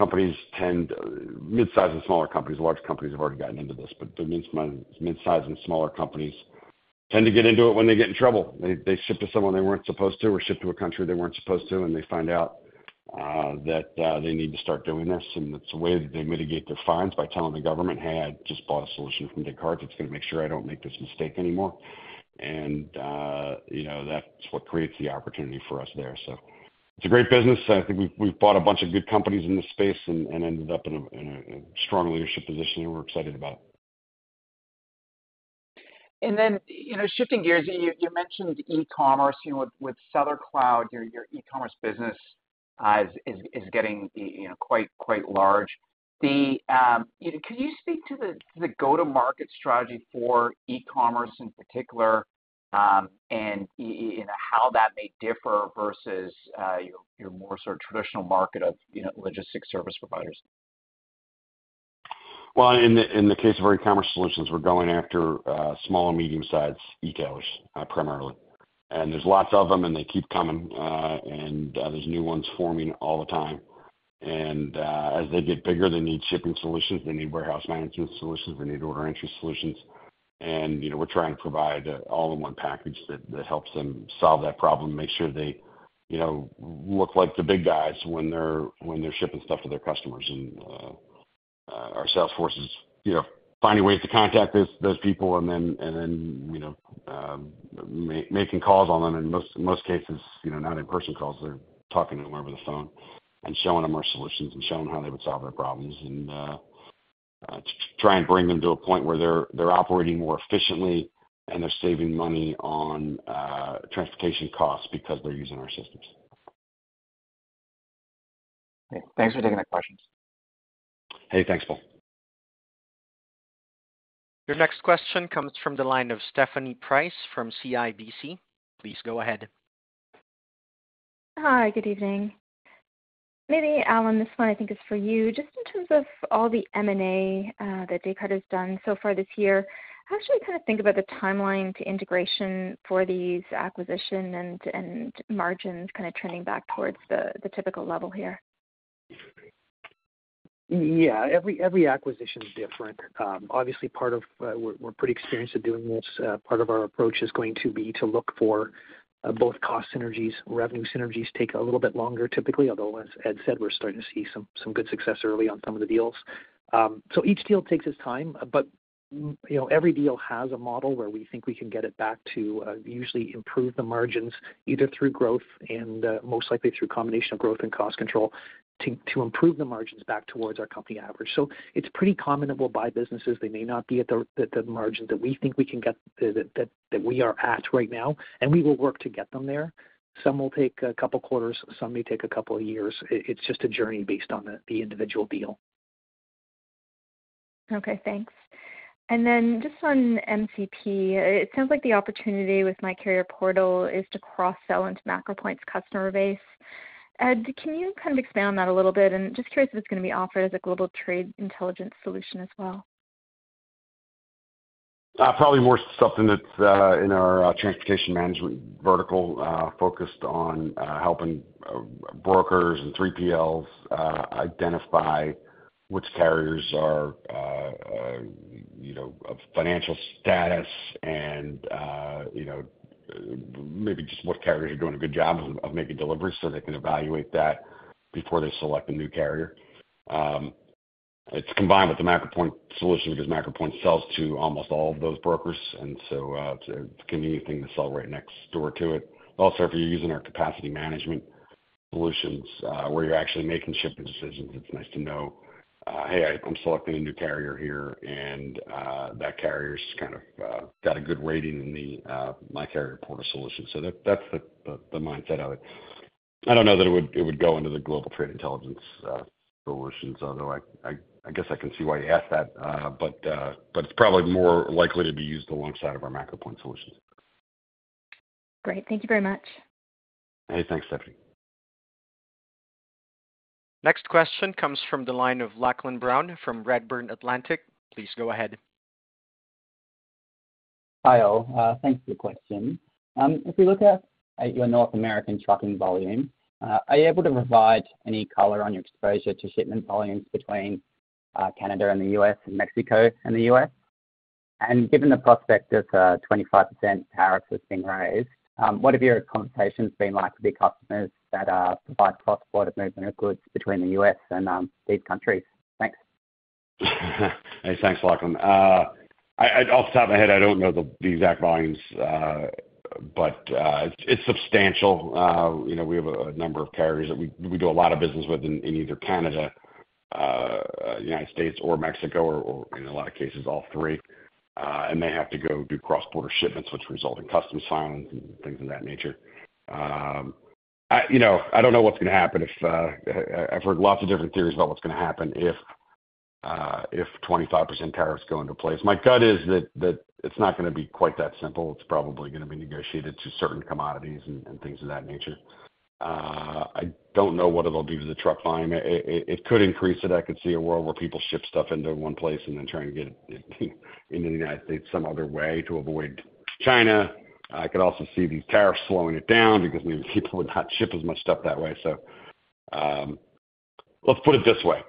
S3: Mid-sized and smaller companies, large companies have already gotten into this, but the mid-sized and smaller companies tend to get into it when they get in trouble. They ship to someone they weren't supposed to or ship to a country they weren't supposed to, and they find out that they need to start doing this, it's a way that they mitigate their fines by telling the government, "Hey, I just bought a solution from Descartes. It's going to make sure I don't make this mistake anymore." That's what creates the opportunity for us there. It's a great business. I think we've bought a bunch of good companies in this space and ended up in a strong leadership position that we're excited about.
S6: Shifting gears, you mentioned e-commerce. With SellerCloud, your e-commerce business is getting quite large. Can you speak to the go-to-market strategy for e-commerce in particular and how that may differ versus your more sort of traditional market of logistics service providers?
S3: Well, in the case of our e-commerce solutions, we're going after small and medium-sized e-commerce primarily. There's lots of them, and they keep coming. There's new ones forming all the time. As they get bigger, they need shipping solutions. They need warehouse management solutions. They need order entry solutions. We're trying to provide an all-in-one package that helps them solve that problem, make sure they look like the big guys when they're shipping stuff to their customers. Our sales force is finding ways to contact those people and then making calls on them. In most cases, not in-person calls. They're talking to them over the phone and showing them our solutions and showing them how they would solve their problems and try and bring them to a point where they're operating more efficiently and they're saving money on transportation costs because they're using our systems.
S6: Thanks for taking the questions.
S3: Hey, thanks, Paul.
S1: Your next question comes from the line of Stephanie Price from CIBC. Please go ahead.
S7: Hi, good evening. Maybe Allan, this one I think is for you. Just in terms of all the M&A that Descartes has done so far this year, how should we kind of think about the timeline to integration for these acquisitions and margins kind of trending back towards the typical level here?
S4: Every acquisition is different. We're pretty experienced at doing this. Part of our approach is going to be to look for both cost synergies. Revenue synergies take a little bit longer typically, although, as Ed said, we're starting to see some good success early on some of the deals. Each deal takes its time, but every deal has a model where we think we can get it back to usually improve the margins either through growth and most likely through a combination of growth and cost control to improve the margins back towards our company average. It's pretty common that we'll buy businesses. They may not be at the margin that we think we can get that we are at right now, and we will work to get them there. Some will take a couple of quarters. Some may take a couple of years. It's just a journey based on the individual deal.
S7: Okay. Thanks. Just on MCP, it sounds like the opportunity with MyCarrierPortal is to cross-sell into MacroPoint's customer base. Ed, can you kind of expand on that a little bit? Just curious if it's going to be offered as a global trade intelligence solution as well.
S3: Probably more something that's in our transportation management vertical focused on helping brokers and 3PLs identify which carriers are of financial status and maybe just what carriers are doing a good job of making deliveries so they can evaluate that before they select a new carrier. It's combined with the MacroPoint solution because MacroPoint sells to almost all of those brokers, and so it's a convenient thing to sell right next door to it. Also, if you're using our capacity management solutions where you're actually making shipping decisions, it's nice to know, "Hey, I'm selecting a new carrier here, and that carrier's kind of got a good rating in the MyCarrierPortal solution." That's the mindset of it. I don't know that it would go into the Global Trade Intelligence solutions, although I guess I can see why you asked that. It's probably more likely to be used alongside of our MacroPoint solutions.
S7: Great. Thank you very much.
S3: Hey, thanks, Stephanie.
S1: Next question comes from the line of Lachlan Brown from Redburn Atlantic. Please go ahead.
S8: Hi, all. Thanks for the question. If we look at your North American shipping volume, are you able to provide any color on your exposure to shipment volumes between Canada and the US and Mexico and the US? Given the prospect of 25% tariffs that's being raised, what have your conversations been like with your customers that provide cross-border movement of goods between the US and these countries? Thanks. Hey have to go do cross-border shipments, which results in customs fines and things of that nature. I don't know what's going to happen. I've heard lots of different theories about what's going to happen if 25% tariffs go into place. My gut is that it's not going to be quite that simple. It's probably going to be negotiated to certain commodities and things of that nature. I don't know what it'll do to the truck volume. It could increase it. I could see a world where people ship stuff into one place and then try and get it into the United States some other way to avoid China. I could also see these tariffs slowing it down because maybe people would not ship as much stuff that way. Let's put it this way.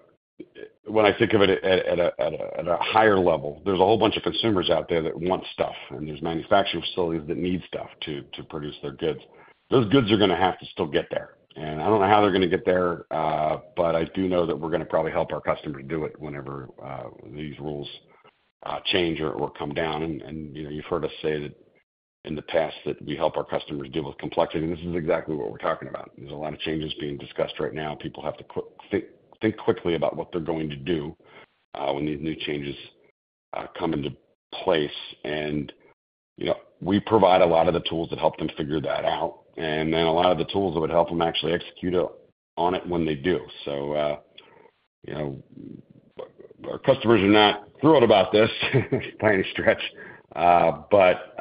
S8: When I think of it at a higher level, there's a whole bunch of consumers out there that want stuff, and there's manufacturing facilities that need stuff to produce their goods. Those goods are going to have to still get there. I don't know how they're going to get there, but I do know that we're going to probably help our customers do it whenever these rules change or come down. You've heard us say that in the past that we help our customers deal with complexity. And this is exactly what we're talking about. There's a lot of changes being discussed right now. People have to think quickly about what they're going to do when these new changes come into place. We provide a lot of the tools that help them figure that out and then a lot of the tools that would help them actually execute on it when they do. Our customers are not thrilled about this by any stretch, but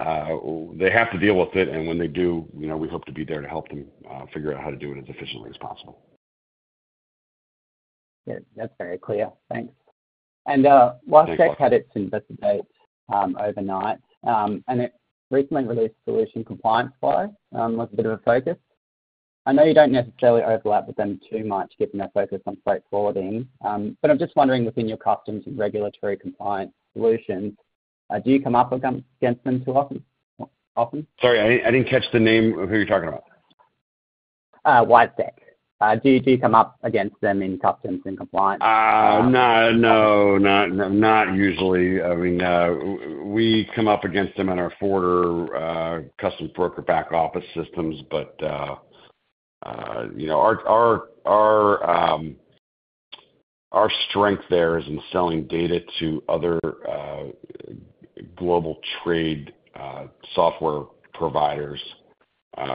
S8: they have to deal with it. When they do, we hope to be there to help them figure out how to do it as efficiently as possible. That's very clear. Thanks. While Descartes had its Investor Day overnight and it recently released solution compliance filing, was a bit of a focus. I know you don't necessarily overlap with them too much given their focus on freight forwarding, but I'm just wondering within your customs and regulatory compliance solutions, do you come up against them too often?
S3: Sorry, I didn't catch the name of who you're talking about.
S8: WiseTech. Do you come up against them in customs and compliance?
S3: No, no, not usually. I mean, we come up against them in our forwarder customs broker back office systems, but our strength there is in selling data to other global trade software providers,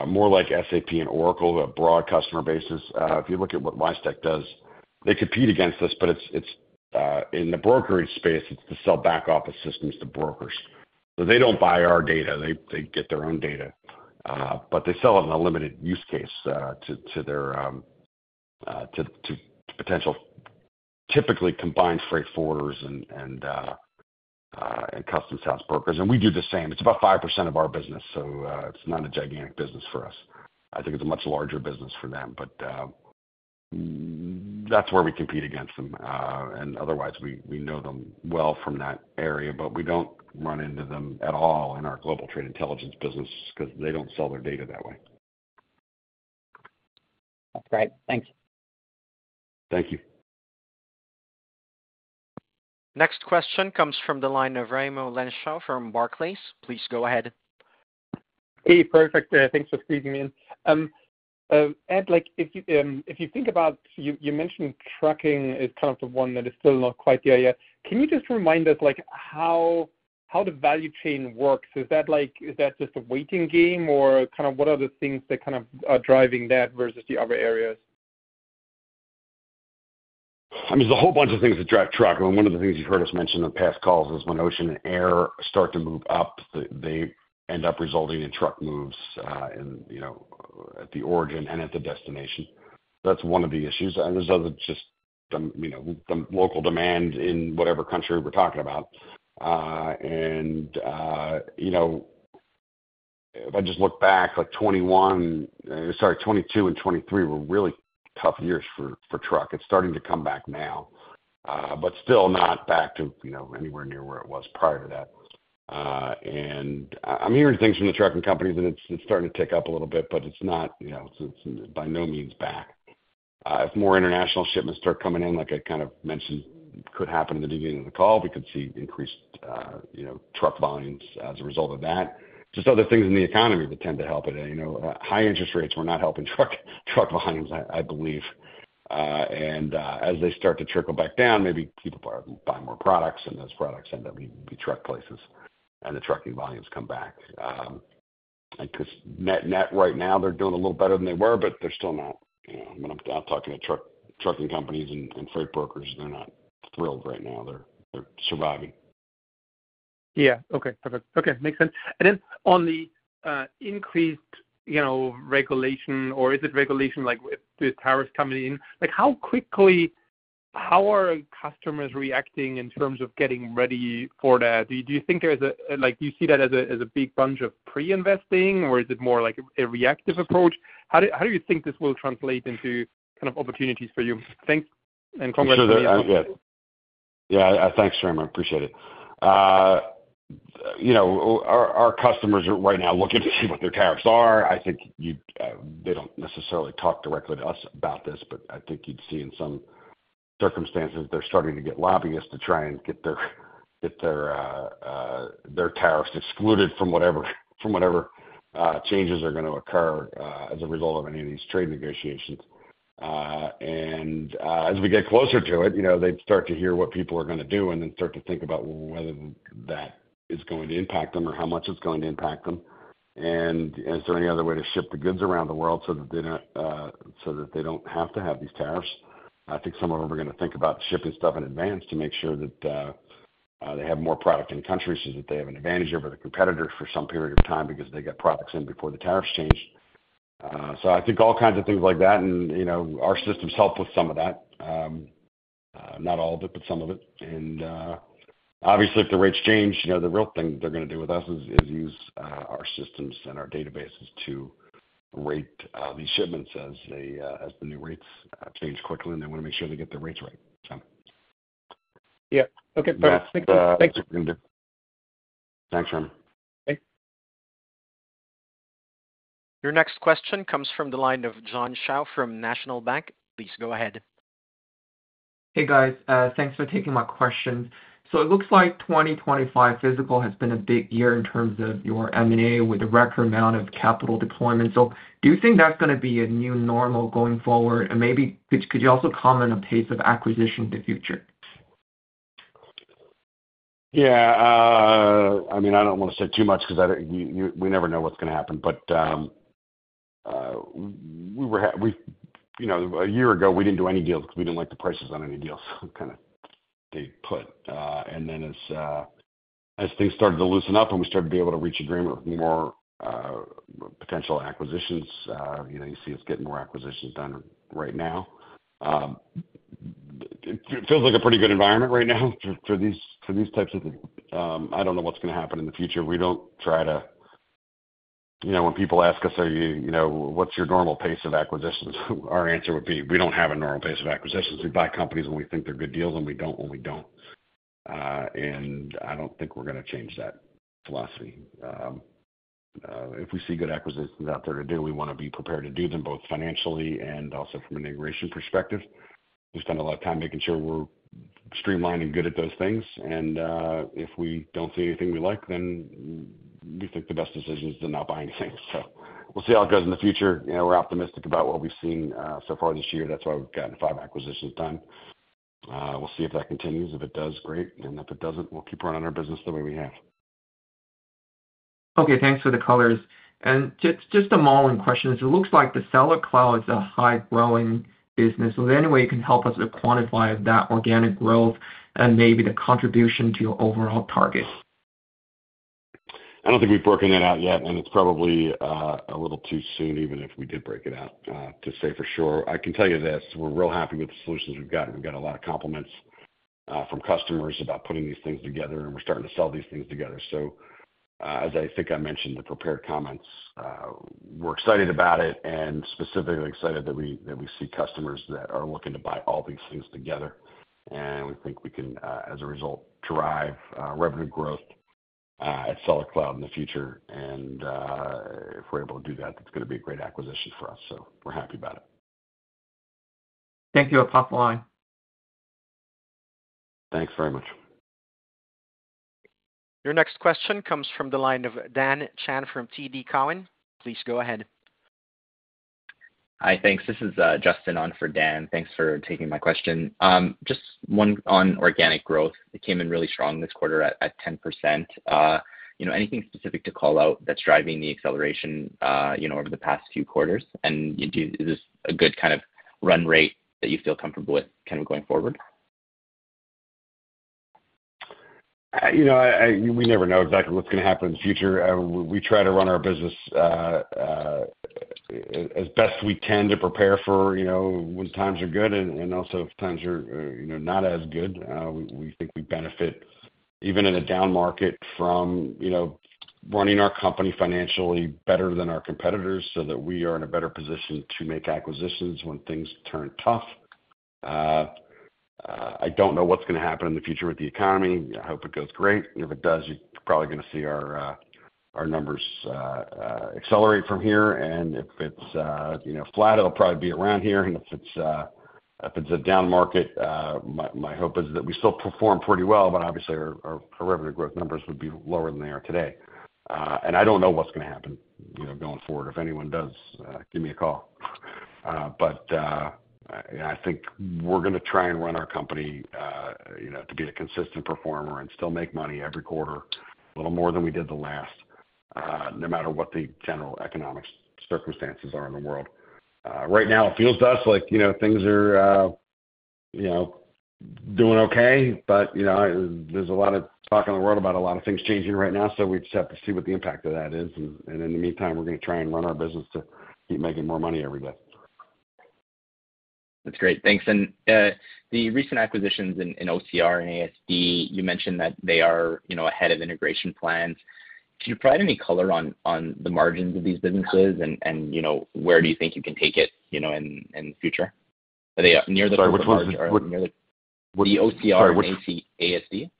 S3: more like SAP and Oracle, a broad customer base. If you look at what WiseTech Global does, they compete against us, but in the brokerage space, it's to sell back office systems to brokers. They don't buy our data. They get their own data, but they sell it in a limited use case to their potential typically combined freight forwarders and customs house brokers. We do the same. It's about 5% of our business, so it's not a gigantic business for us. I think it's a much larger business for them, but that's where we compete against them. Otherwise, we know them well from that area, but we don't run into them at all in our global trade intelligence business because they don't sell their data that way.
S8: That's great. Thanks.
S3: Thank you.
S1: Next question comes from the line of Raimo Lenschow from Barclays. Please go ahead.
S9: Hey, perfect. Thanks for sneaking in. Ed, if you think about you mentioned trucking is kind of the one that is still not quite there yet. Can you just remind us how the value chain works? Is that just a waiting game, or kind of what are the things that kind of are driving that versus the other areas? I mean, there's a whole bunch of things that drive truck. I mean, one of the things you've heard us mention on past calls is when ocean and air start to move up, they end up resulting in truck moves at the origin and at the destination. That's one of the issues. There's other just local demand in whatever country we're talking about. If I just look back, sorry, 2022 and 2023 were really tough years for truck. It's starting to come back now, but still not back to anywhere near where it was prior to that, and I'm hearing things from the trucking companies that it's starting to tick up a little bit, it's not by no means back. If more international shipments start coming in, like I kind of mentioned, could happen in the beginning of the call, we could see increased truck volumes as a result of that. Just other things in the economy that tend to help it. High interest rates were not helping truck volumes, I believe, and as they start to trickle back down, maybe people buy more products, and those products end up being truck places, and the trucking volumes come back. Net right now, they're doing a little better than they were, but they're still not. When I'm talking to trucking companies and freight brokers, they're not thrilled right now. They're surviving.
S10: Okay. Perfect. Okay. Makes sense. And then on the increased regulation, or is it regulation with tariffs coming in, how quickly are customers reacting in terms of getting ready for that? Do you think there's, or do you see that as a big bunch of pre-investing, or is it more like a reactive approach? How do you think this will translate into kind of opportunities for you? Thanks. And congratulations.
S3: Sure. I get it. Yeah. Thanks, Raymond. Appreciate it. Our customers are right now looking to see what their tariffs are. I think they don't necessarily talk directly to us about this, but I think you'd see in some circumstances they're starting to get lobbyists to try and get their tariffs excluded from whatever changes are going to occur as a result of any of these trade negotiations. As we get closer to it, they'd start to hear what people are going to do and then start to think about whether that is going to impact them or how much it's going to impact them. Is there any other way to ship the goods around the world so that they don't have to have these tariffs? I think some of them are going to think about shipping stuff in advance to make sure that they have more product in countries so that they have an advantage over the competitors for some period of time because they get products in before the tariffs change. I think all kinds of things like that. Our systems help with some of that. Not all of it, but some of it. Obviously, if the rates change, the real thing they're going to do with us is use our systems and our databases to rate these shipments as the new rates change quickly, and they want to make sure they get the rates right.
S10: Okay. Perfect.
S3: Thanks.
S10: Thanks.
S3: Thanks, Raimo.
S10: Thanks.
S1: Your next question comes from the line of John Shao from National Bank. Please go ahead.
S11: Hey, guys. Thanks for taking my questions. It looks like fiscal 2025 has been a big year in terms of your M&A with a record amount of capital deployment. Do you think that's going to be a new normal going forward? Maybe could you also comment on pace of acquisition in the future?
S3: I mean, I don't want to say too much because we never know what's going to happen, but a year ago we didn't do any deals because we didn't like the prices on any deals. Kind of stayed put. As things started to loosen up and we started to be able to reach agreement with more potential acquisitions, you see us getting more acquisitions done right now. It feels like a pretty good environment right now for these types of things. I don't know what's going to happen in the future. When people ask us, "What's your normal pace of acquisitions?" our answer would be, "We don't have a normal pace of acquisitions. We buy companies when we think they're good deals and we don't when we don't." I don't think we're going to change that philosophy. If we see good acquisitions out there to do, we want to be prepared to do them both financially and also from an integration perspective. We spend a lot of time making sure we're streamlining, good at those things. If we don't see anything we like, then we think the best decision is to not buy anything. We'll see how it goes in the future. We're optimistic about what we've seen so far this year. That's why we've gotten five acquisitions done. We'll see if that continues. If it does, great. If it doesn't, we'll keep running our business the way we have.
S11: Okay. Thanks for the colors. Just a modeling question. It looks like the SellerCloud is a high-growing business. Is there any way you can help us quantify that organic growth and maybe the contribution to your overall target?
S3: I don't think we've broken that out yet, and it's probably a little too soon, even if we did break it out, to say for sure. I can tell you this. We're real happy with the solutions we've gotten. We've got a lot of compliments from customers about putting these things together, and we're starting to sell these things together. As I think I mentioned the prepared comments, we're excited about it and specifically excited that we see customers that are looking to buy all these things together. We think we can, as a result, drive revenue growth at SellerCloud in the future. If we're able to do that, that's going to be a great acquisition for us. We're happy about it.
S11: Thank you.
S3: Thanks very much.
S1: Your next question comes from the line of Dan Chan from TD Cowen. Please go ahead.
S12: Hi. Thanks. This is Jason on for Dan. Thanks for taking my question. Just one on organic growth. It came in really strong this quarter at 10%. Anything specific to call out that's driving the acceleration over the past few quarters? Is this a good kind of run rate that you feel comfortable with kind of going forward?
S3: We never know exactly what's going to happen in the future. We try to run our business as best we can to prepare for when times are good and also times are not as good. We think we benefit even in a down market from running our company financially better than our competitors so that we are in a better position to make acquisitions when things turn tough. I don't know what's going to happen in the future with the economy. I hope it goes great. If it does, you're probably going to see our numbers accelerate from here, and if it's flat, it'll probably be around here, and if it's a down market, my hope is that we still perform pretty well, but obviously, our revenue growth numbers would be lower than they are today, and I don't know what's going to happen going forward. If anyone does, give me a call. I think we're going to try and run our company to be a consistent performer and still make money every quarter, a little more than we did the last, no matter what the general economic circumstances are in the world. Right now, it feels to us like things are doing okay, but there's a lot of talk in the world about a lot of things changing right now. So we just have to see what the impact of that is. And in the meantime, we're going to try and run our business to keep making more money every day.
S12: That's great. Thanks. The recent acquisitions of OCR and ASD, you mentioned that they are ahead of integration plans. Can you provide any color on the margins of these businesses and where do you think you can take it in the future? Are they near the OCR and ASD?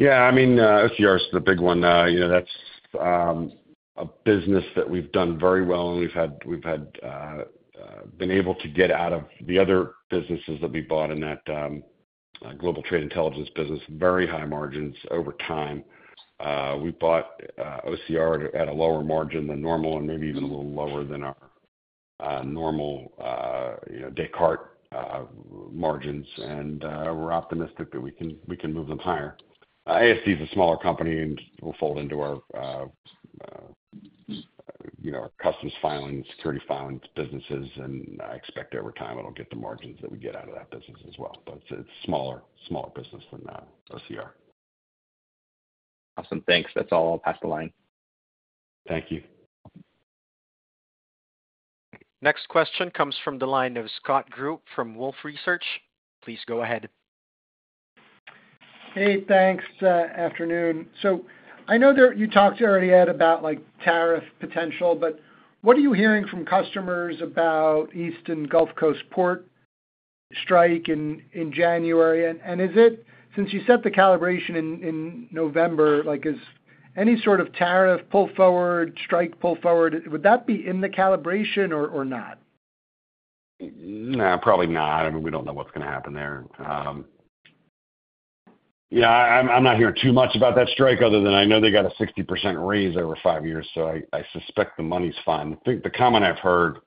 S3: I mean, OCR is the big one. That's a business that we've done very well, and we've been able to get out of the other businesses that we bought in that global trade intelligence business very high margins over time. We bought OCR at a lower margin than normal and maybe even a little lower than our normal Descartes margins. We're optimistic that we can move them higher. ASD is a smaller company, and it will fold into our customs filing, security filing businesses. I expect over time, it'll get the margins that we get out of that business as well. But it's a smaller business than OCR.
S12: Awesome. Thanks. That's all. I'll pass the line.
S3: Thank you.
S1: Next question comes from the line of Scott Group from Wolfe Research. Please go ahead.
S13: Hey. Thanks. Afternoon. I know you talked earlier about tariff potential, but what are you hearing from customers about East and Gulf Coast port strike in January? Since you said the calibration in November, is any sort of tariff pull forward, strike pull forward, would that be in the calibration or not?
S3: No, probably not. I mean, we don't know what's going to happen there. I'm not hearing too much about that strike other than I know they got a 60% raise over five years, so I suspect the money's fine. I think the comment I've heard,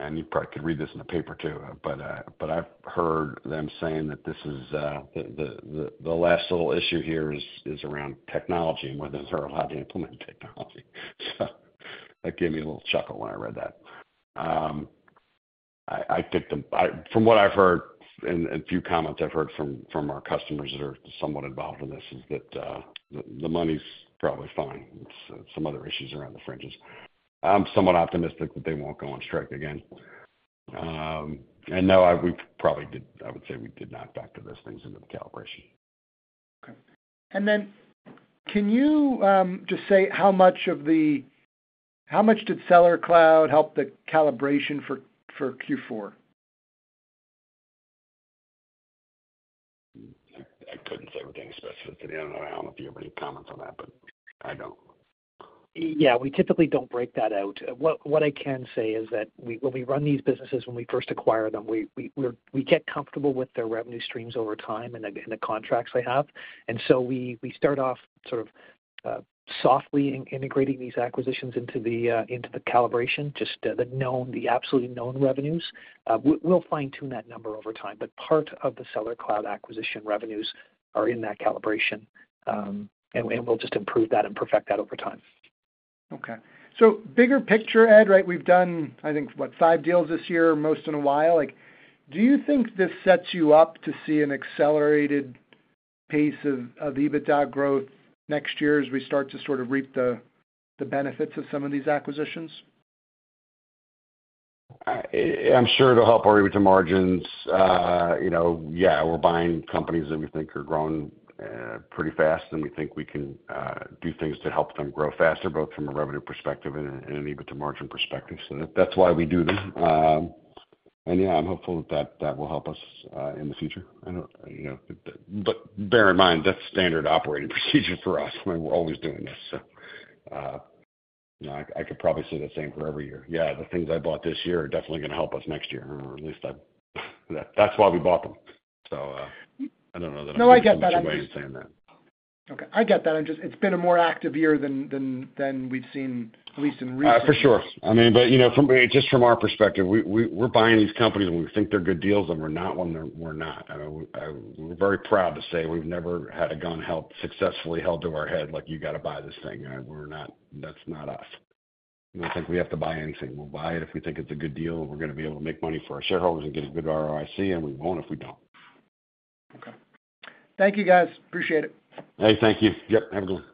S3: and you probably could read this in the paper too, but I've heard them saying that this is the last little issue here is around technology and whether they're allowed to implement technology. That gave me a little chuckle when I read that. I think from what I've heard and a few comments I've heard from our customers that are somewhat involved in this is that the money's probably fine. Some other issues are on the fringes. I'm somewhat optimistic that they won't go on strike again. No, we probably did. I would say we did not factor those things into the calibration.
S13: Okay. Can you just say how much did SellerCloud help the calibration for Q4?
S3: I couldn't say with any specificity. I don't know. I don't know if you have any comments on that, but I don't.
S4: We typically don't break that out. What I can say is that when we run these businesses, when we first acquire them, we get comfortable with their revenue streams over time and the contracts they have. We start off sort of softly integrating these acquisitions into the calibration, just the absolutely known revenues. We'll fine-tune that number over time, but part of the SellerCloud acquisition revenues are in that calibration, and we'll just improve that and perfect that over time.
S13: Okay. Bigger picture, Ed, right? We've done, I think, what, five deals this year, most in a while. Do you think this sets you up to see an accelerated pace of EBITDA growth next year as we start to sort of reap the benefits of some of these acquisitions?
S3: I'm sure it'll help our EBITDA margins. Yeah. We're buying companies that we think are growing pretty fast, and we think we can do things to help them grow faster, both from a revenue perspective and an EBITDA margin perspective. That's why we do them. I'm hopeful that that will help us in the future. But bear in mind, that's standard operating procedure for us. We're always doing this. I could probably say the same for every year. The things I bought this year are definitely going to help us next year, or at least that's why we bought them. I don't know that I can give you any way of saying that.
S13: Okay. I get that. It's been a more active year than we've seen, at least in recent years.
S3: For sure. I mean, Just from our perspective, we're buying these companies, and we think they're good deals, and we're not when we're not. I mean, we're very proud to say we've never had a gun successfully held to our head like, "You got to buy this thing." That's not us. I don't think we have to buy anything. We'll buy it if we think it's a good deal, and we're going to be able to make money for our shareholders and get a good ROIC, and we won't if we don't.
S13: Okay. Thank you, guys. Appreciate it.
S3: Hey, thank you. Yep. Have a good one.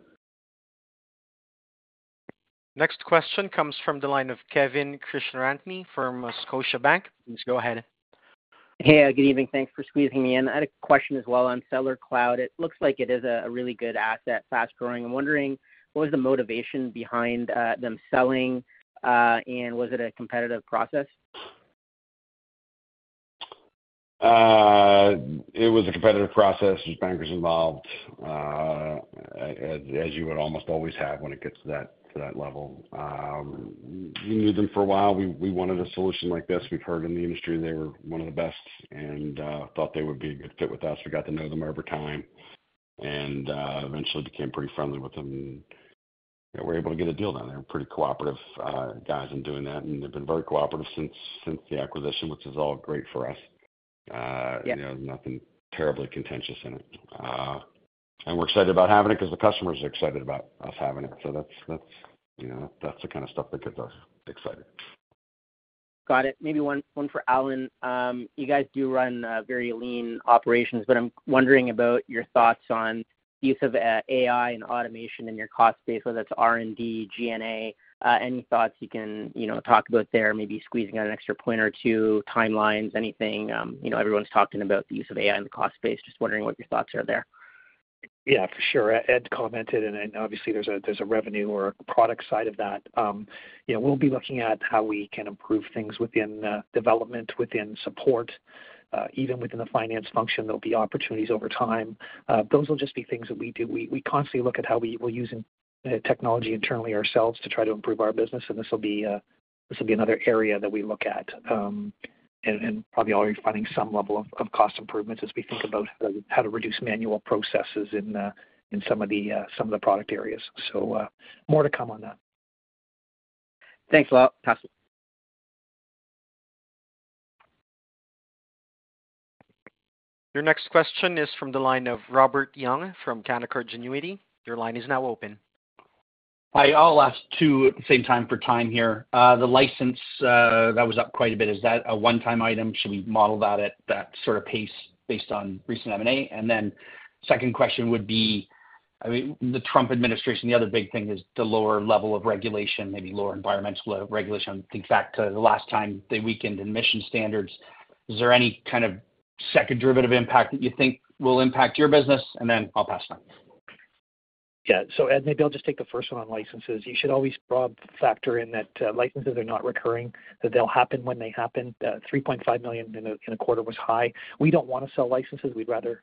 S1: Next question comes from the line of Kevin Krishnaratne from Scotiabank. Please go ahead.
S14: Hey. Good evening. Thanks for squeezing me in. I had a question as well on SellerCloud. It looks like it is a really good asset, fast-growing. I'm wondering, what was the motivation behind them selling, and was it a competitive process?
S3: It was a competitive process. There's bankers involved, as you would almost always have when it gets to that level. We knew them for a while. We wanted a solution like this. We've heard in the industry they were one of the best and thought they would be a good fit with us. We got to know them over time and eventually became pretty friendly with them. And we were able to get a deal done. They were pretty cooperative guys in doing that, and they've been very cooperative since the acquisition, which is all great for us. There's nothing terribly contentious in it. And we're excited about having it because the customers are excited about us having it. So that's the kind of stuff that gets us excited.
S14: Got it. Maybe one for Allan. You guys do run very lean operations, but I'm wondering about your thoughts on the use of AI and automation in your cost space, whether it's R&D, G&A. Any thoughts you can talk about there, maybe squeezing out an extra point or two, timelines, anything? Everyone's talking about the use of AI in the cost space. Just wondering what your thoughts are there.
S4: For sure. Ed commented, and obviously, there's a revenue or a product side of that. We'll be looking at how we can improve things within development, within support, even within the finance function. There'll be opportunities over time. Those will just be things that we do. We constantly look at how we're using technology internally ourselves to try to improve our business, and this will be another area that we look at, and probably already finding some level of cost improvements as we think about how to reduce manual processes in some of the product areas, so more to come on that.
S14: Thanks a lot.
S1: Your next question is from the line of Robert Young from Canaccord Genuity. Your line is now open.
S15: Hi. I'll ask two at the same time for time here. The license that was up quite a bit, is that a one-time item? Should we model that at that sort of pace based on recent M&A? And then second question would be, I mean, the Trump administration, the other big thing is the lower level of regulation, maybe lower environmental regulation. I think back to the last time they weakened emission standards. Is there any kind of second derivative impact that you think will impact your business? And then I'll pass it on. Yeah. So Ed, maybe I'll just take the first one on licenses. You should always factor in that licenses are not recurring, that they'll happen when they happen. $3.5 million in a quarter was high. We don't want to sell licenses. We'd rather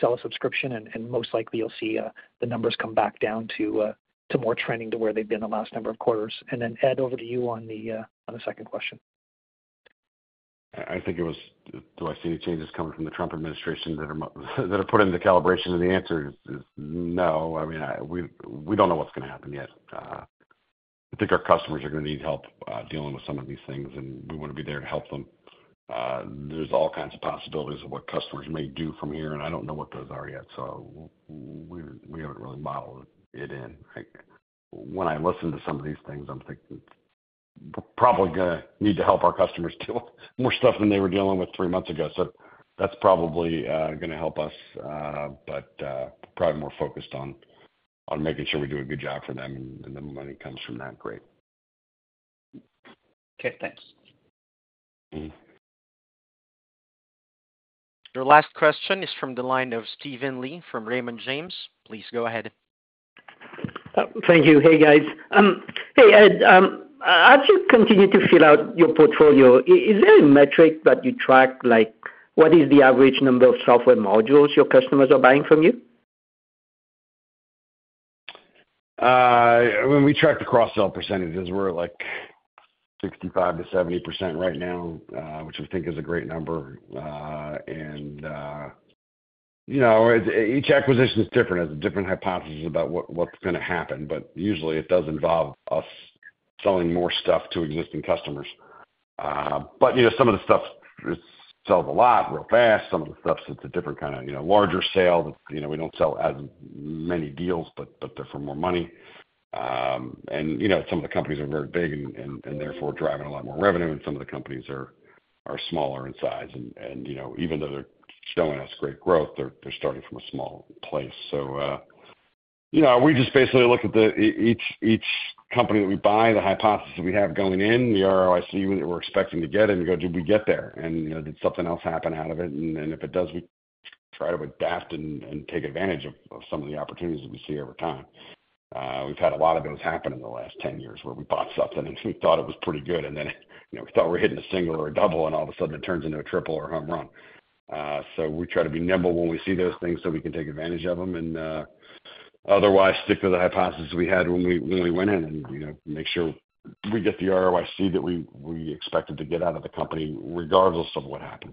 S15: sell a subscription, and most likely, you'll see the numbers come back down to more trending to where they've been the last number of quarters. And then Ed, over to you on the second question.
S3: I think it was, "Do I see any changes coming from the Trump administration that are put into calibration?" And the answer is no. I mean, we don't know what's going to happen yet. I think our customers are going to need help dealing with some of these things, and we want to be there to help them. There's all kinds of possibilities of what customers may do from here, and I don't know what those are yet, so we haven't really modeled it in. When I listen to some of these things, I'm thinking we're probably going to need to help our customers deal with more stuff than they were dealing with three months ago. That's probably going to help us, but probably more focused on making sure we do a good job for them. And then when it comes from that, great.
S15: Okay. Thanks.
S1: Your last question is from the line of Steven Li from Raymond James. Please go ahead.
S16: Thank you. Hey, guys. Hey, Ed, as you continue to fill out your portfolio, is there a metric that you track, like what is the average number of software modules your customers are buying from you?
S3: I mean, we track the cross-sell percentages. We're like 65%-70% right now, which I think is a great number. And each acquisition is different. There's a different hypothesis about what's going to happen, but usually, it does involve us selling more stuff to existing customers. But some of the stuff sells a lot real fast. Some of the stuff, it's a different kind of larger sale. We don't sell as many deals, but they're for more money. Some of the companies are very big and therefore driving a lot more revenue, and some of the companies are smaller in size. Even though they're showing us great growth, they're starting from a small place. So we just basically look at each company that we buy, the hypothesis that we have going in, the ROIC that we're expecting to get, and we go, "Did we get there?" And did something else happen out of it? If it does, we try to adapt and take advantage of some of the opportunities that we see over time. We've had a lot of those happen in the last 10 years where we bought something and we thought it was pretty good, and then we thought we were hitting a single or a double, and all of a sudden, it turns into a triple or a home run. We try to be nimble when we see those things we can take advantage of them. Otherwise, stick to the hypothesis we had when we went in and make sure we get the ROIC that we expected to get out of the company regardless of what happened.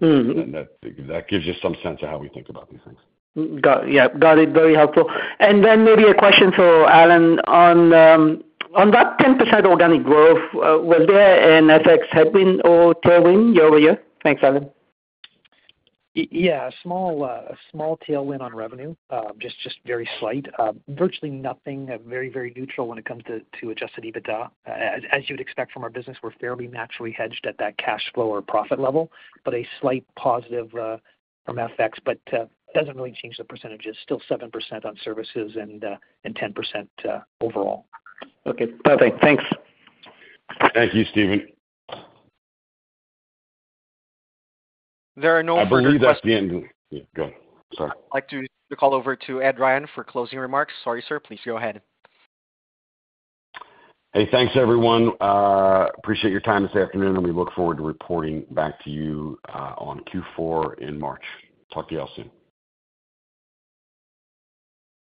S3: That gives you some sense of how we think about these things.
S16: Got it. Very helpful. Maybe a question for Allan on that 10% organic growth. Was there an FX headwind or tailwind year over year? Thanks, Allan.
S4: A small tailwind on revenue, just very slight. Virtually nothing. Very, very neutral when it comes to Adjusted EBITDA. As you would expect from our business, we're fairly naturally hedged at that cash flow or profit level, but a slight positive from FX, but doesn't really change the percentages. Still 7% on services and 10% overall.
S16: Okay. Perfect. Thanks.
S3: Thank you, Steven.
S1: There are no questions.
S3: I believe that's the end. Yeah. Go ahead.
S1: Sorry. I'd like to call over to Ed Ryan for closing remarks. Sorry, sir. Please go ahead.
S3: Hey. Thanks, everyone. Appreciate your time this afternoon, and we look forward to reporting back to you on Q4 in March. Talk to you all soon.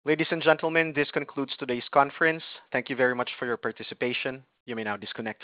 S1: Ladies and gentlemen, this concludes today's conference. Thank you very much for your participation. You may now disconnect.